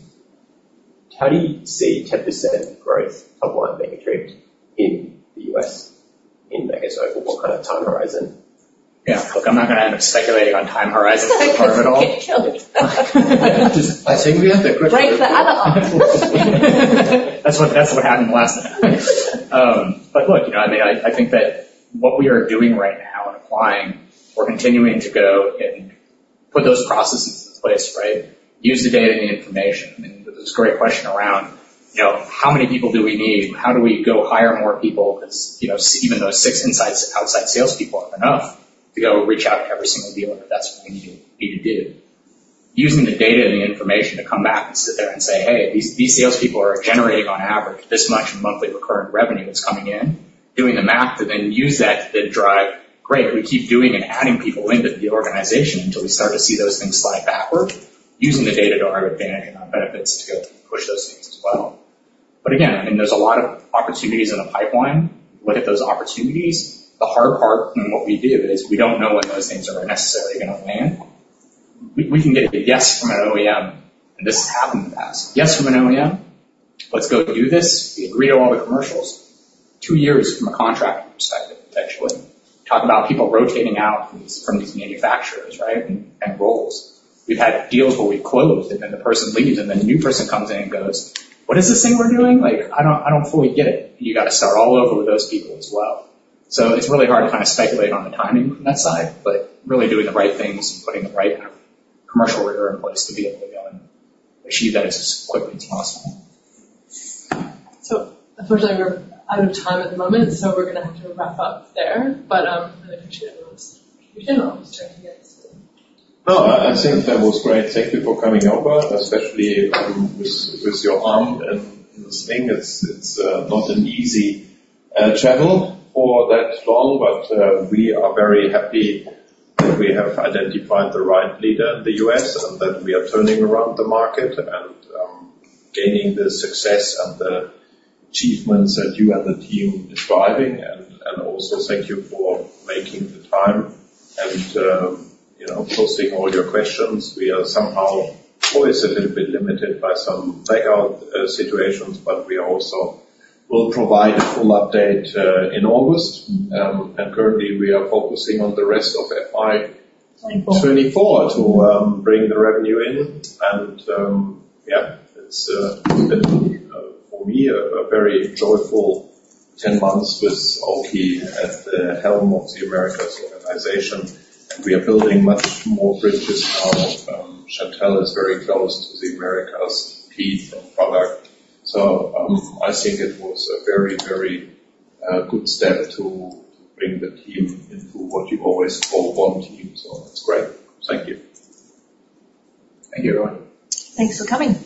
S5: how do you see 10% growth of what being achieved in the US in, I guess, over what kind of time horizon? Yeah, look, I'm not going to end up speculating on time horizons at all.
S7: Get killed.
S2: I think we have the correct-
S7: Break the blackout. That's what, that's what happened last time. But look, you know, I mean, I, I think that what we are doing right now and applying, we're continuing to go and put those processes in place, right? Use the data and the information. I mean, there's this great question around, you know, how many people do we need? How do we go hire more people? Because, you know, even those six inside, outside salespeople are enough to go reach out to every single dealer, if that's what we need to do. Using the data and the information to come back and sit there and say, "Hey, these, these salespeople are generating on average, this much monthly recurring revenue that's coming in," doing the math, to then use that to then drive, great. We keep doing and adding people into the organization until we start to see those things slide backward, using the data to our advantage and our benefits, to go push those things as well. But again, I mean, there's a lot of opportunities in the pipeline. Look at those opportunities. The hard part in what we do is we don't know when those things are necessarily going to land. We can get a yes from an OEM, and this has happened in the past. Yes, from an OEM, let's go do this. We agree to all the commercials. Two years from a contract perspective, potentially. Talk about people rotating out from these manufacturers, right? And roles. We've had deals where we've closed, and then the person leaves, and then a new person comes in and goes: What is this thing we're doing? Like, I don't fully get it. You got to start all over with those people as well. So it's really hard to kind of speculate on the timing from that side, but really doing the right things and putting the right commercial order in place to be able to go and achieve that as quickly as possible.
S1: So unfortunately, we're out of time at the moment, so we're going to have to wrap up there. But, I really appreciate everyone... joining us.
S2: No, I, I think that was great. Thank you for coming over, especially, with, with your arm and sling. It's, it's, not an easy, travel or that long, but, we are very happy that we have identified the right leader in the U.S. and that we are turning around the market and, gaining the success and the achievements that you and the team is driving, and, and also thank you for making the time and, you know, posting all your questions. We are somehow always a little bit limited by some takeout, situations, but we also will provide a full update, in August. And currently, we are focusing on the rest of FY 2024 to, bring the revenue in. Yeah, it's been for me a very joyful 10 months with Oki at the helm of the Americas organization, and we are building much more bridges now. Chantell is very close to the Americas, Pete from product. So, I think it was a very, very good step to bring the team into what you've always call One Team. So that's great. Thank you. Thank you, everyone.
S1: Thanks for coming.